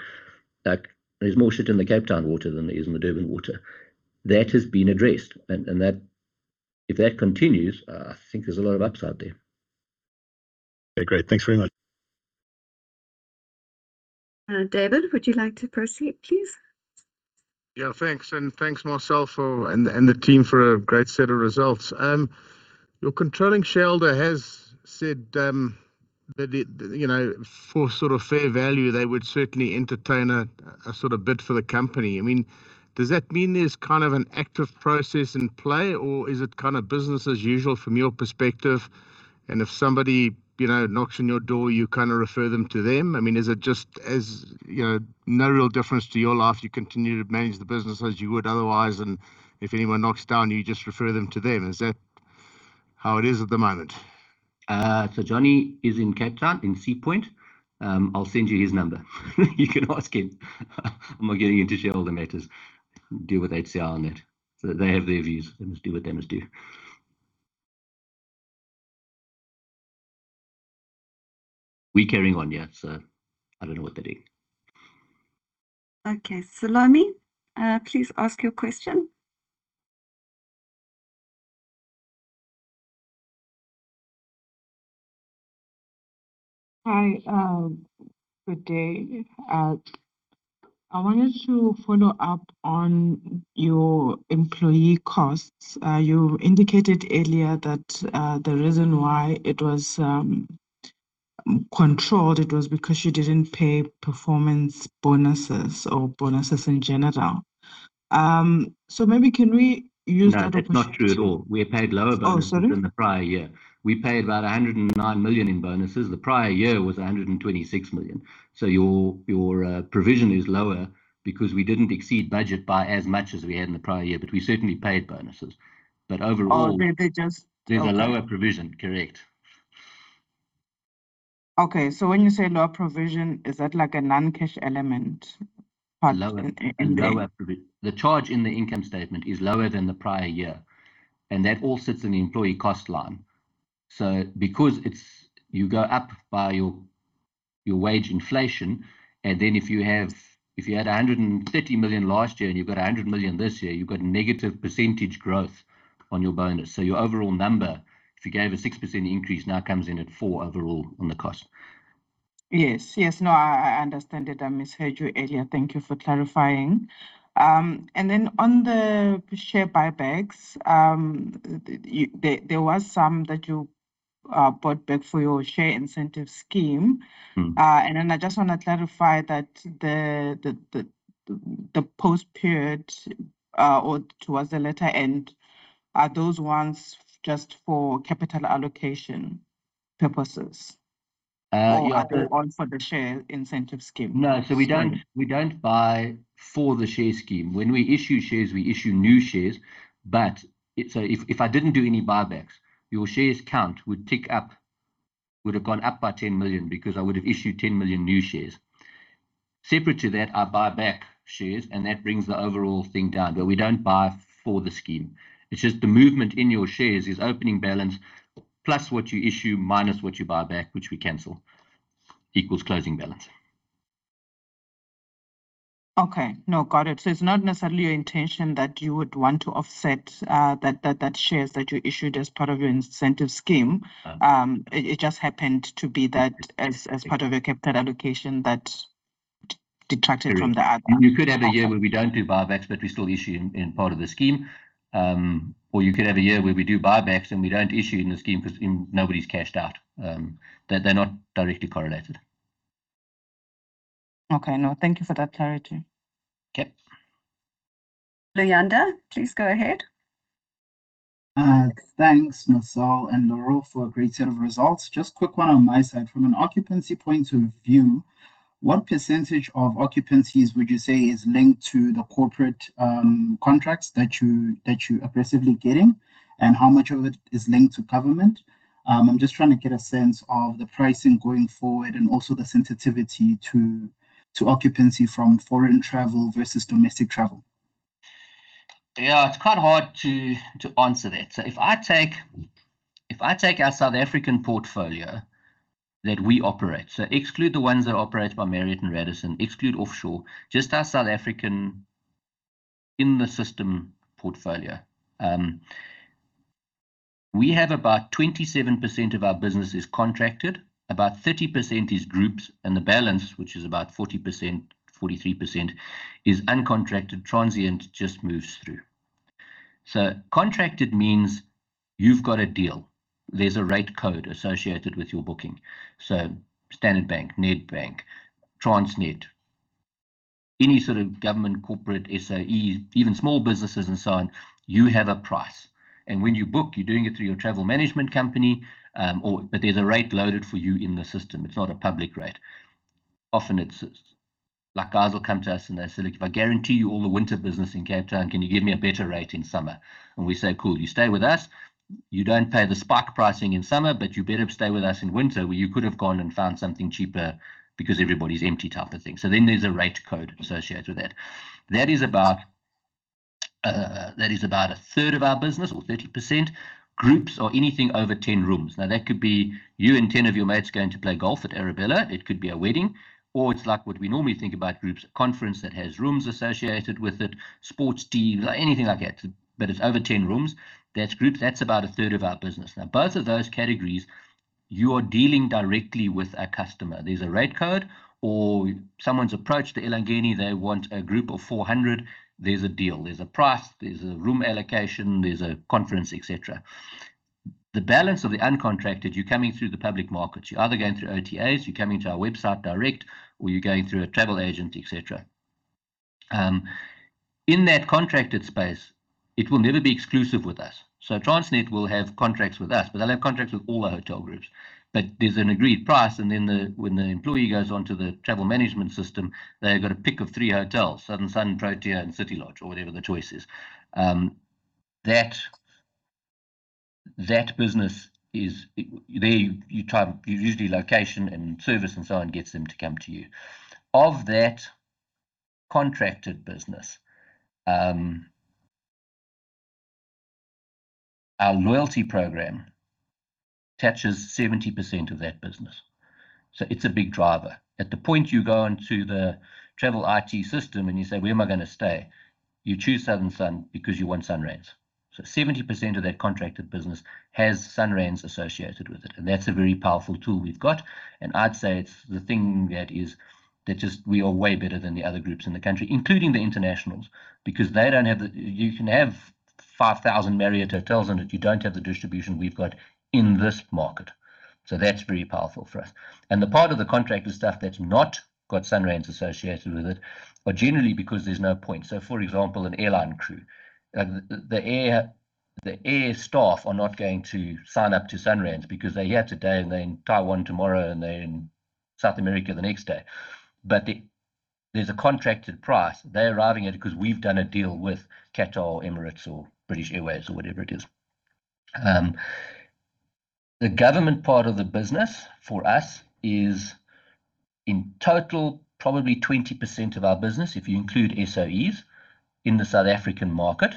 There's more shit in the Cape Town water than there is in the Durban water. That has been addressed. If that continues, I think there's a lot of upside there. Okay. Great. Thanks very much. David, would you like to proceed, please? Yeah. Thanks. Thanks, Marcel and the team, for a great set of results. Your controlling shareholder has said that for sort of fair value, they would certainly entertain a sort of bid for the company. I mean, does that mean there's kind of an active process in play? Is it kind of business as usual from your perspective? If somebody knocks on your door, you kind of refer them to them? I mean, is it just as no real difference to your life. You continue to manage the business as you would otherwise. If anyone knocks on your door, you just refer them to them. Is that how it is at the moment? Johnny is in Cape Town, in Sea Point. I'll send you his number. You can ask him. I'm not getting into shareholder matters. Deal with HCR on that. They have their views. They must do what they must do. We're carrying on. I don't know what they're doing. Okay. Salome, please ask your question. Hi. Good day. I wanted to follow up on your employee costs. You indicated earlier that the reason why it was controlled, it was because you didn't pay performance bonuses or bonuses in general. Maybe can we use that opportunity? No. That's not true at all. We're paid lower bonuses than the prior year. We paid about 109 million in bonuses. The prior year was 126 million. Your provision is lower because we didn't exceed budget by as much as we had in the prior year. We certainly paid bonuses. Oh, they just. There's a lower provision. Correct. Okay. When you say lower provision, is that like a non-cash element part of the income? Lower provision. The charge in the income statement is lower than the prior year. That all sits in the employee cost line. Because you go up by your wage inflation. If you had 130 million last year, and you've got 100 million this year, you've got negative percentage growth on your bonus. Your overall number, if you gave a 6% increase, now comes in at 4% overall on the cost. Yes. Yes. No, I understand that. I misheard you earlier. Thank you for clarifying. On the share buybacks, there was some that you bought back for your share incentive scheme. I just want to clarify that the post-period or towards the later end, are those ones just for capital allocation purposes? Your. Are they all for the share incentive scheme? No. We don't buy for the share scheme. When we issue shares, we issue new shares. If I didn't do any buybacks, your shares count would have gone up by 10 million because I would have issued 10 million new shares. Separate to that are buyback shares. That brings the overall thing down. We don't buy for the scheme. It's just the movement in your shares is opening balance plus what you issue minus what you buy back, which we cancel, equals closing balance. Okay. No. Got it. It's not necessarily your intention that you would want to offset that shares that you issued as part of your incentive scheme. It just happened to be that as part of your capital allocation that detracted from the other. You could have a year where we don't do buybacks, but we still issue in part of the scheme. You could have a year where we do buybacks, and we don't issue in the scheme because nobody's cashed out. They're not directly correlated. Okay. No. Thank you for that clarity. Yep. Leander, please go ahead. Thanks, Marcel and Laurelle, for a great set of results. Just quick 1 on my side. From an occupancy point of view, what percentage of occupancies would you say is linked to the corporate contracts that you're aggressively getting? How much of it is linked to government? I'm just trying to get a sense of the pricing going forward and also the sensitivity to occupancy from foreign travel versus domestic travel. Yeah. It's quite hard to answer that. If I take our South African portfolio that we operate so exclude the ones that operate by Marriott and Radisson, exclude offshore, just our South African in-the-system portfolio, we have about 27% of our business is contracted. About 30% is groups. The balance, which is about 40%, 43%, is uncontracted, transient, just moves through. Contracted means you've got a deal. There's a rate code associated with your booking. Standard Bank, Nedbank, Transnet, any sort of government, corporate, SOEs, even small businesses and so on, you have a price. When you book, you're doing it through your travel management company. There's a rate loaded for you in the system. It's not a public rate. Often, it's like guys will come to us, and they'll say, "Look, if I guarantee you all the winter business in Cape Town, can you give me a better rate in summer?" We say, "Cool. You stay with us. You don't pay the spike pricing in summer. You better stay with us in winter where you could have gone and found something cheaper because everybody's empty type of thing." There's a rate code associated with that. That is about a third of our business or 30%, groups or anything over 10 rooms. That could be you and 10 of your mates going to play golf at Arabella. It could be a wedding. It's like what we normally think about groups, a conference that has rooms associated with it, sports team, anything like that. It's over 10 rooms. That's groups. That's about a third of our business. Both of those categories, you're dealing directly with a customer. There's a rate code. Someone's approached the Elangeni. They want a group of 400. There's a deal. There's a price. There's a room allocation. There's a conference, etc. The balance of the uncontracted, you're coming through the public markets. You're either going through OTAs. You're coming to our website direct. You're going through a travel agent, etc. In that contracted space, it will never be exclusive with us. Transnet will have contracts with us. They'll have contracts with all our hotel groups. There's an agreed price. When the employee goes onto the travel management system, they've got a pick of three hotels, Southern Sun, Protea, and City Lodge, or whatever the choice is. That business is usually location and service and so on gets them to come to you. Of that contracted business, our loyalty program touches 70% of that business. It's a big driver. At the point you go onto the travel IT system, and you say, "Where am I going to stay?" you choose Southern Sun because you want SunRands. 70% of that contracted business has SunRands associated with it. That's a very powerful tool we've got. I'd say it's the thing that is that just we are way better than the other groups in the country, including the internationals, because they don't have the you can have 5,000 Marriott hotels in it. You don't have the distribution we've got in this market. That's very powerful for us. The part of the contracted stuff that's not got SunRands associated with it are generally because there's no point. For example, an airline crew, the air staff are not going to sign up to SunRands because they're here today, and they're in Taiwan tomorrow, and they're in South America the next day. There's a contracted price. They're arriving at it because we've done a deal with Qatar, Emirates, or British Airways, or whatever it is. The government part of the business for us is in total, probably 20% of our business, if you include SOEs, in the South African market.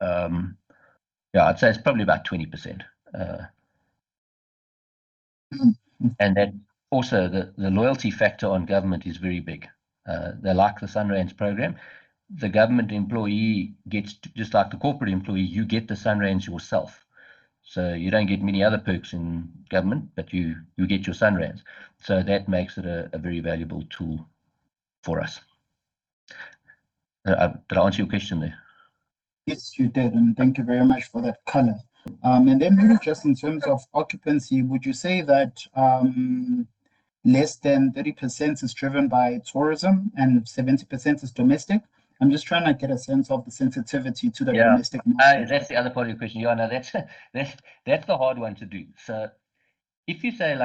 Yeah. I'd say it's probably about 20%. Also, the loyalty factor on government is very big. They like the SunRands program. The government employee gets just like the corporate employee, you get the SunRands yourself. You don't get many other perks in government. You get your SunRands. That makes it a very valuable tool for us. Did I answer your question there? Yes, you did. Thank you very much for that color. Maybe just in terms of occupancy, would you say that less than 30% is driven by tourism, and 70% is domestic? I'm just trying to get a sense of the sensitivity to the domestic market. Yeah. That's the other part of your question, Johanna. That's the hard one to do. If you say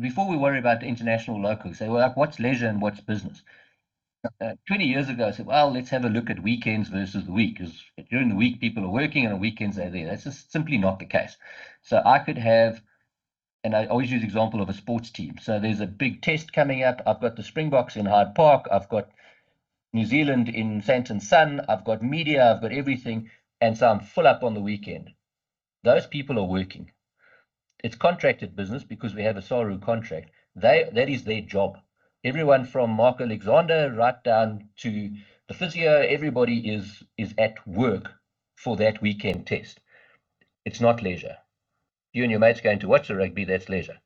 before we worry about the international locals, they were like, "What's leisure and what's business?" 20 years ago, I said, "Well, let's have a look at weekends versus the week because during the week, people are working. On weekends, they're there." That's just simply not the case. I could have and I always use the example of a sports team. There's a big test coming up. I've got the Springboks in Hyde Park. I've got New Zealand in Sandton Sun. I've got media. I've got everything. I'm full up on the weekend. Those people are working. It's contracted business because we have a SARU contract. That is their job. Everyone from Mark Alexander right down to the physio, everybody is at work for that weekend test. It's not leisure. You and your mates going to watch the rugby, that's leisure.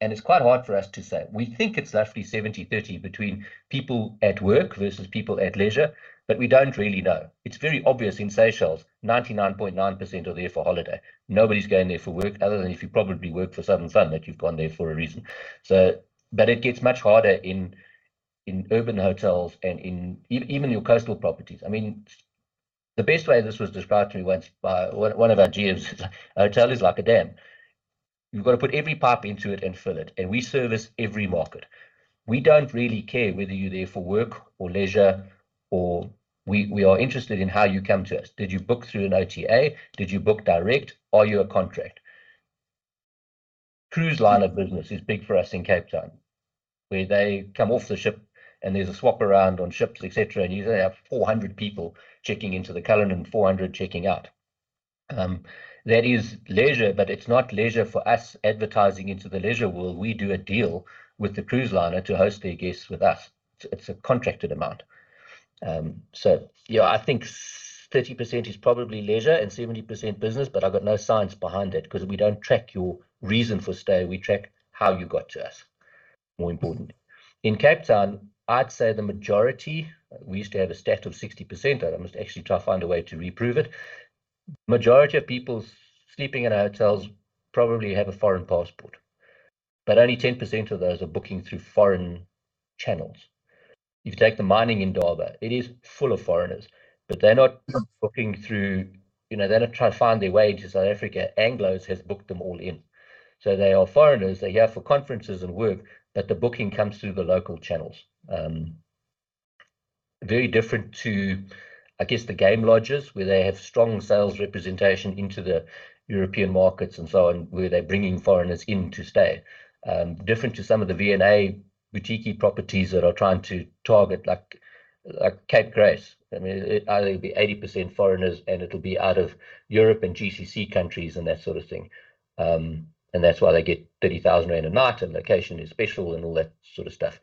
It's quite hard for us to say. We think it's roughly 70/30 between people at work versus people at leisure. We don't really know. It's very obvious in Seychelles. 99.9% are there for holiday. Nobody's going there for work other than if you probably work for Southern Sun that you've gone there for a reason. It gets much harder in urban hotels and even your coastal properties. I mean, the best way this was described to me once by one of our GMs, "Hotel is like a dam. You've got to put every pipe into it and fill it. We service every market. We don't really care whether you're there for work or leisure. We are interested in how you come to us. Did you book through an OTA? Did you book direct? Are you a contract? Cruise line of business is big for us in Cape Town where they come off the ship. There's a swap around on ships, etc. Usually, they have 400 people checking into the Cullinan, 400 checking out. That is leisure. It's not leisure for us advertising into the leisure world. We do a deal with the cruise liner to host their guests with us. It's a contracted amount. Yeah, I think 30% is probably leisure and 70% business. I've got no science behind that because we don't track your reason for stay. We track how you got to us. More importantly. In Cape Town, I'd say the majority we used to have a stat of 60%. I must actually try to find a way to reprove it. The majority of people sleeping in our hotels probably have a foreign passport. Only 10% of those are booking through foreign channels. If you take the Mining Indaba, it is full of foreigners. They're not trying to find their way into South Africa. Anglos have booked them all in. They are foreigners. They're here for conferences and work. The booking comes through the local channels. Very different to, I guess, the game lodges where they have strong sales representation into the European markets and so on where they're bringing foreigners in to stay. Different to some of the V&A boutique properties that are trying to target like Cape Grace. I mean, it'll be 80% foreigners. It'll be out of Europe and GCC countries and that sort of thing. That's why they get 30,000 rand a night and location is special and all that sort of stuff.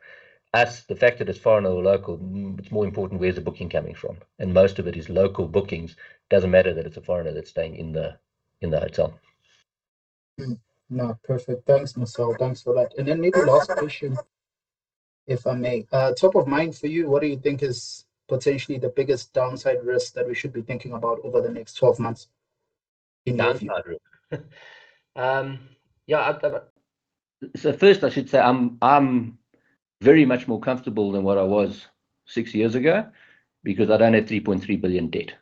The fact that it's foreign or local, it's more important where's the booking coming from. Most of it is local bookings. It doesn't matter that it's a foreigner that's staying in the hotel. No. Perfect. Thanks, Marcel. Thanks for that. Then maybe last question, if I may. Top of mind for you, what do you think is potentially the biggest downside risk that we should be thinking about over the next 12 months in your view? Downside risk. Yeah. First, I should say I'm very much more comfortable than what I was six years ago because I don't have 3.3 billion debt.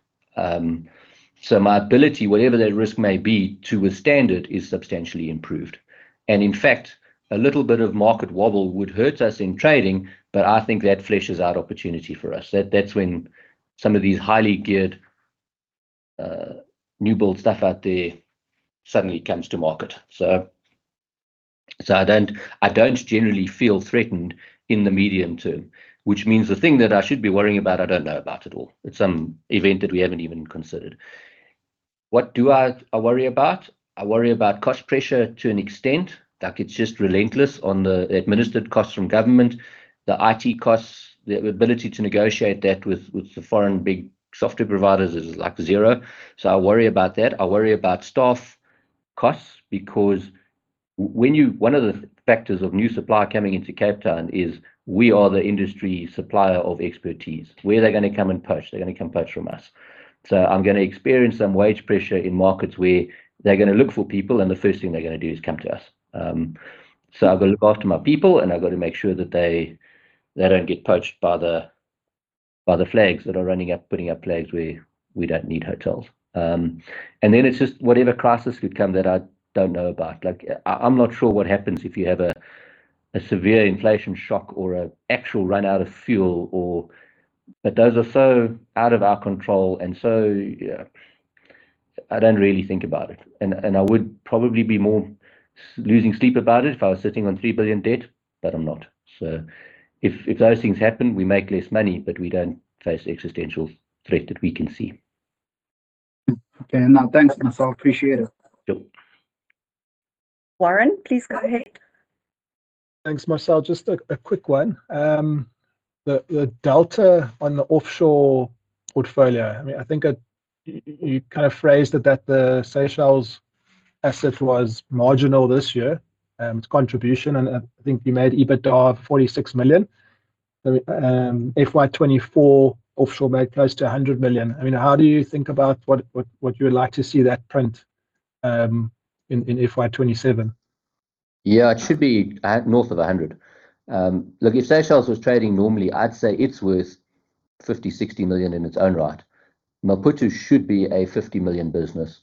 My ability, whatever that risk may be, to withstand it is substantially improved. In fact, a little bit of market wobble would hurt us in trading. I think that fleshes out opportunity for us. That's when some of these highly geared, new-built stuff out there suddenly comes to market. I don't generally feel threatened in the medium-term, which means the thing that I should be worrying about, I don't know about at all. It's some event that we haven't even considered. What do I worry about? I worry about cost pressure to an extent. It's just relentless on the administered costs from government, the IT costs, the ability to negotiate that with the foreign big software providers is zero. I worry about that. I worry about staff costs because one of the factors of new supplier coming into Cape Town is we are the industry supplier of expertise. Where are they going to come and purchase? They're going to come purchase from us. I'm going to experience some wage pressure in markets where they're going to look for people. The first thing they're going to do is come to us. I've got to look after my people. I've got to make sure that they don't get poached by the flags that are running up, putting up flags where we don't need hotels. It's just whatever crisis could come that I don't know about. I'm not sure what happens if you have a severe inflation shock or an actual run out of fuel. Those are so out of our control. I don't really think about it. I would probably be more losing sleep about it if I was sitting on 3 billion debt. I'm not. If those things happen, we make less money. We don't face existential threat that we can see. Okay. No. Thanks, Marcel. Appreciate it. Sure. Warren, please go ahead. Thanks, Marcel. Just a quick one. The delta on the offshore portfolio, I mean, I think you kind of phrased it that the Seychelles asset was marginal this year, its contribution. I think you made EBITDA of 46 million. FY2024, offshore made close to 100 million. I mean, how do you think about what you would like to see that print in FY2027? Yeah. It should be north of 100 million. If Seychelles was trading normally, I'd say it's worth 50 million-60 million in its own right. Maputo should be a 50 million business.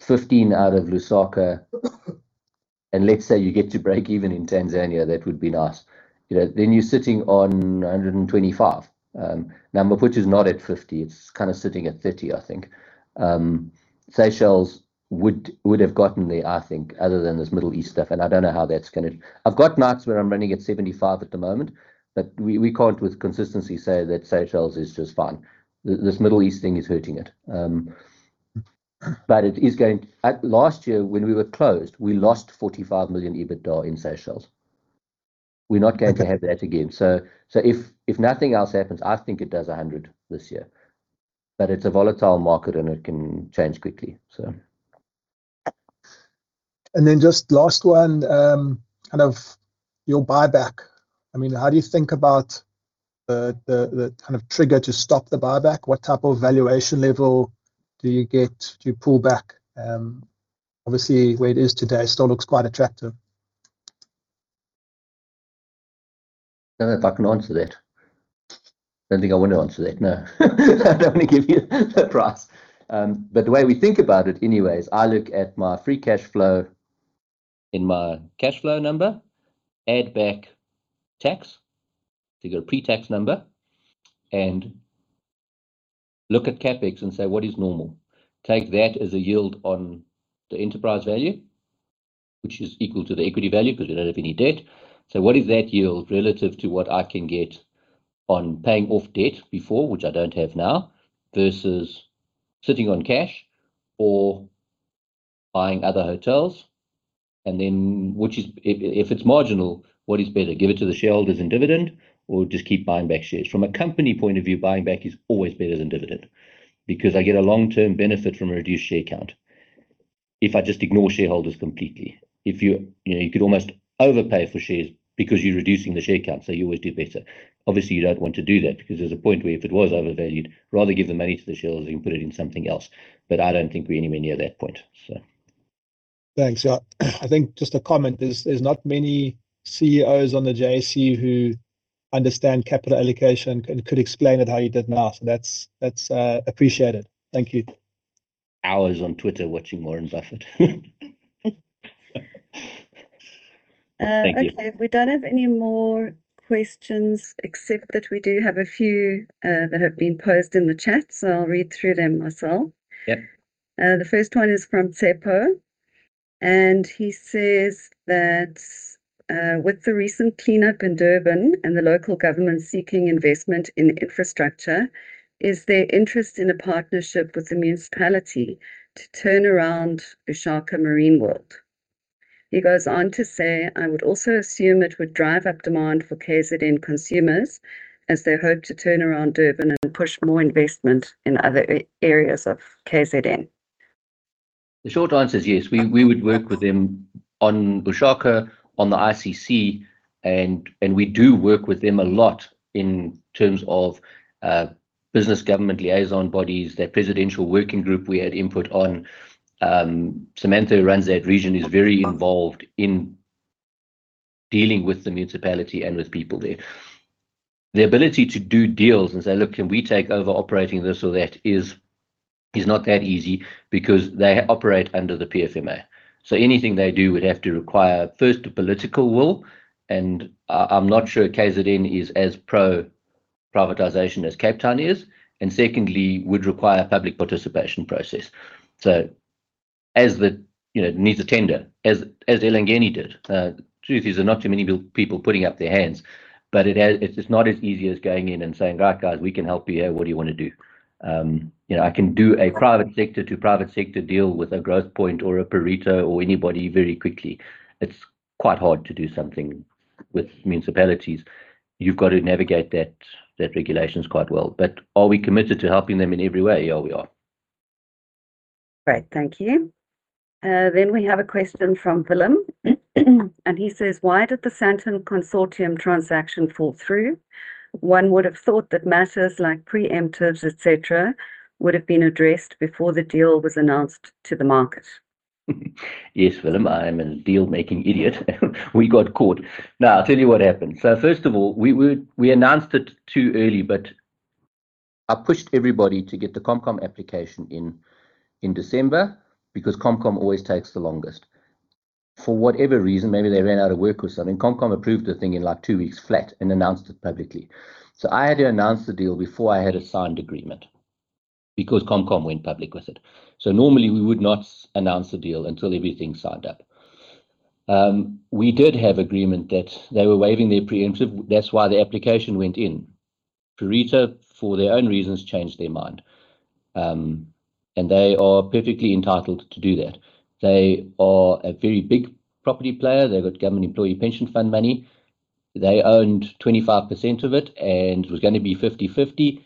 15 million out of Lusaka. Let's say you get to break even in Tanzania, that would be nice. You're sitting on 125 million. Maputo's not at 50 million. It's kind of sitting at 30 million, I think. Seychelles would have gotten there, I think, other than this Middle East stuff. I don't know how that's going. I've got nights where I'm running at 75% at the moment. We can't, with consistency, say that Seychelles is just fine. This Middle East thing is hurting it. It is going last year, when we were closed, we lost 45 million EBITDA in Seychelles. We're not going to have that again. If nothing else happens, I think it does 100 this year. It's a volatile market. It can change quickly. Just last one, kind of your buyback. I mean, how do you think about the kind of trigger to stop the buyback? What type of valuation level do you get? Do you pull back? Obviously, where it is today, it still looks quite attractive. I don't know if I can answer that. I don't think I want to answer that, no. I don't want to give you the price. The way we think about it anyways, I look at my free cash flow in my cash flow number, add back tax to get a pre-tax number, and look at CapEx and say, "What is normal?" Take that as a yield on the enterprise value, which is equal to the equity value because we don't have any debt. What is that yield relative to what I can get on paying off debt before, which I don't have now, versus sitting on cash or buying other hotels? If it's marginal, what is better? Give it to the shareholders in dividend or just keep buying back shares? From a company point of view, buying back is always better than dividend because I get a long-term benefit from a reduced share count if I just ignore shareholders completely. You could almost overpay for shares because you're reducing the share count. You always do better. Obviously, you don't want to do that because there's a point where if it was overvalued, rather give the money to the shareholders and put it in something else. I don't think we're anywhere near that point. Thanks. I think just a comment. There's not many CEOs on the JSE who understand capital allocation and could explain it how you did now. That's appreciated. Thank you. Hours on Twitter watching Warren Buffett. Thank you. Okay. We don't have any more questions except that we do have a few that have been posed in the chat. I'll read through them, Marcel. The first one is from Tshepo. He says that with the recent cleanup in Durban and the local government seeking investment in infrastructure, is there interest in a partnership with the municipality to turn around uShaka Marine World? He goes on to say, "I would also assume it would drive up demand for KZN consumers as they hope to turn around Durban and push more investment in other areas of KZN. The short answer is yes. We would work with them on uShaka, on the ICC. We do work with them a lot in terms of business government liaison bodies, their presidential working group we had input on. Samantha who runs that region is very involved in dealing with the municipality and with people there. Their ability to do deals and say, "Look, can we take over operating this or that?" is not that easy because they operate under the PFMA. Anything they do would have to require, first, the political will. I'm not sure KZN is as pro-privatization as Cape Town is. Secondly, would require a public participation process. It needs a tender as Elangeni did. The truth is, there are not too many people putting up their hands. It's not as easy as going in and saying, "Right, guys. We can help you here. What do you want to do? I can do a private sector-to-private sector deal with a Growthpoint or a Pareto or anybody very quickly. It's quite hard to do something with municipalities. You've got to navigate that regulations quite well. Are we committed to helping them in every way? Oh, we are. Great. Thank you. We have a question from Willem. He says, "Why did the Sandton Consortium transaction fall through? One would have thought that matters like preemptives, etc., would have been addressed before the deal was announced to the market. Yes, Willem. I am a dealmaking idiot. We got caught. I'll tell you what happened. First of all, we announced it too early. I pushed everybody to get the ComCom application in December because ComCom always takes the longest. For whatever reason, maybe they ran out of work or something, ComCom approved the thing in like two weeks flat and announced it publicly. I had to announce the deal before I had a signed agreement because ComCom went public with it. Normally, we would not announce a deal until everything's signed up. We did have agreement that they were waiving their preemptive. That's why the application went in. Pareto, for their own reasons, changed their mind. They are perfectly entitled to do that. They are a very big property player. They've got government employee pension fund money. They owned 25% of it. It was going to be 50/50.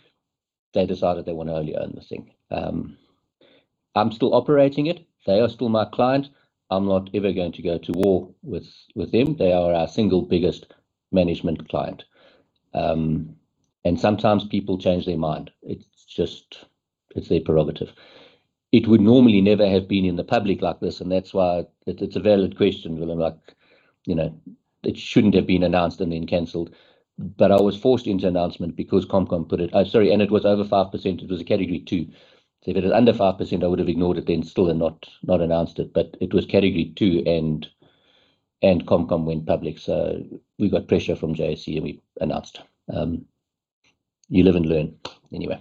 They decided they want to only own this thing. I am still operating it. They are still my client. I am not ever going to go to war with them. They are our single biggest management client. Sometimes, people change their mind. It is their prerogative. It would normally never have been in the public like this. That is why it is a valid question, Willem. It shouldn't have been announced and then canceled. I was forced into announcement because ComCom put it sorry. It was over 5%. It was a category 2. If it was under 5%, I would have ignored it then still and not announced it. It was category 2. ComCom went public. We got pressure from JSE. We announced it. You live and learn anyway.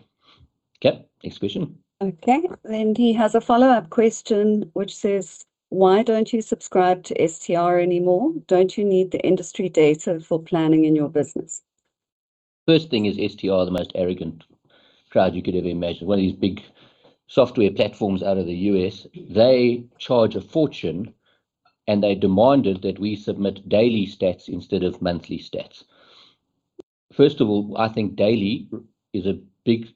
Okay. Next question. Okay. He has a follow-up question which says, "Why don't you subscribe to STR anymore? Don't you need the industry data for planning in your business? First thing is STR, the most arrogant crowd you could ever imagine. One of these big software platforms out of the U.S. They charge a fortune. They demanded that we submit daily stats instead of monthly stats. First of all, I think daily is a big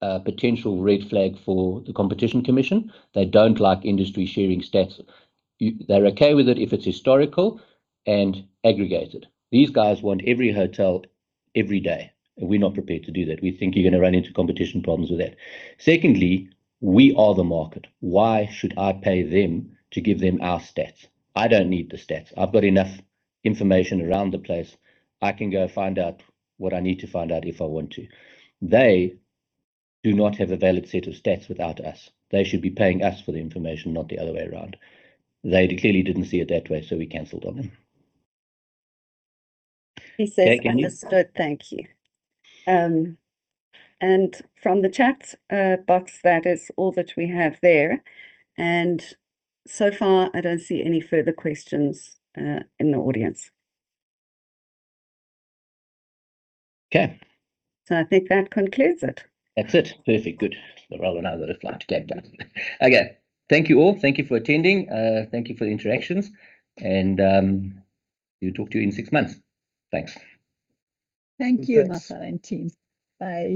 potential red flag for the Competition Commission. They don't like industry sharing stats. They're okay with it if it's historical and aggregated. These guys want every hotel every day. We're not prepared to do that. We think you're going to run into competition problems with that. Secondly, we are the market. Why should I pay them to give them our stats? I don't need the stats. I've got enough information around the place. I can go find out what I need to find out if I want to. They do not have a valid set of stats without us. They should be paying us for the information, not the other way around. They clearly didn't see it that way. We canceled on them. He says, "Understood. Thank you." From the chat box, that is all that we have there. So far, I don't see any further questions in the audience. Okay. I think that concludes it. That's it. Perfect. Good. There are rather now that I fly to Cape Town. Okay. Thank you all. Thank you for attending. Thank you for the interactions. We'll talk to you in 6 months. Thanks. Thank you, Marcel, and team. Bye.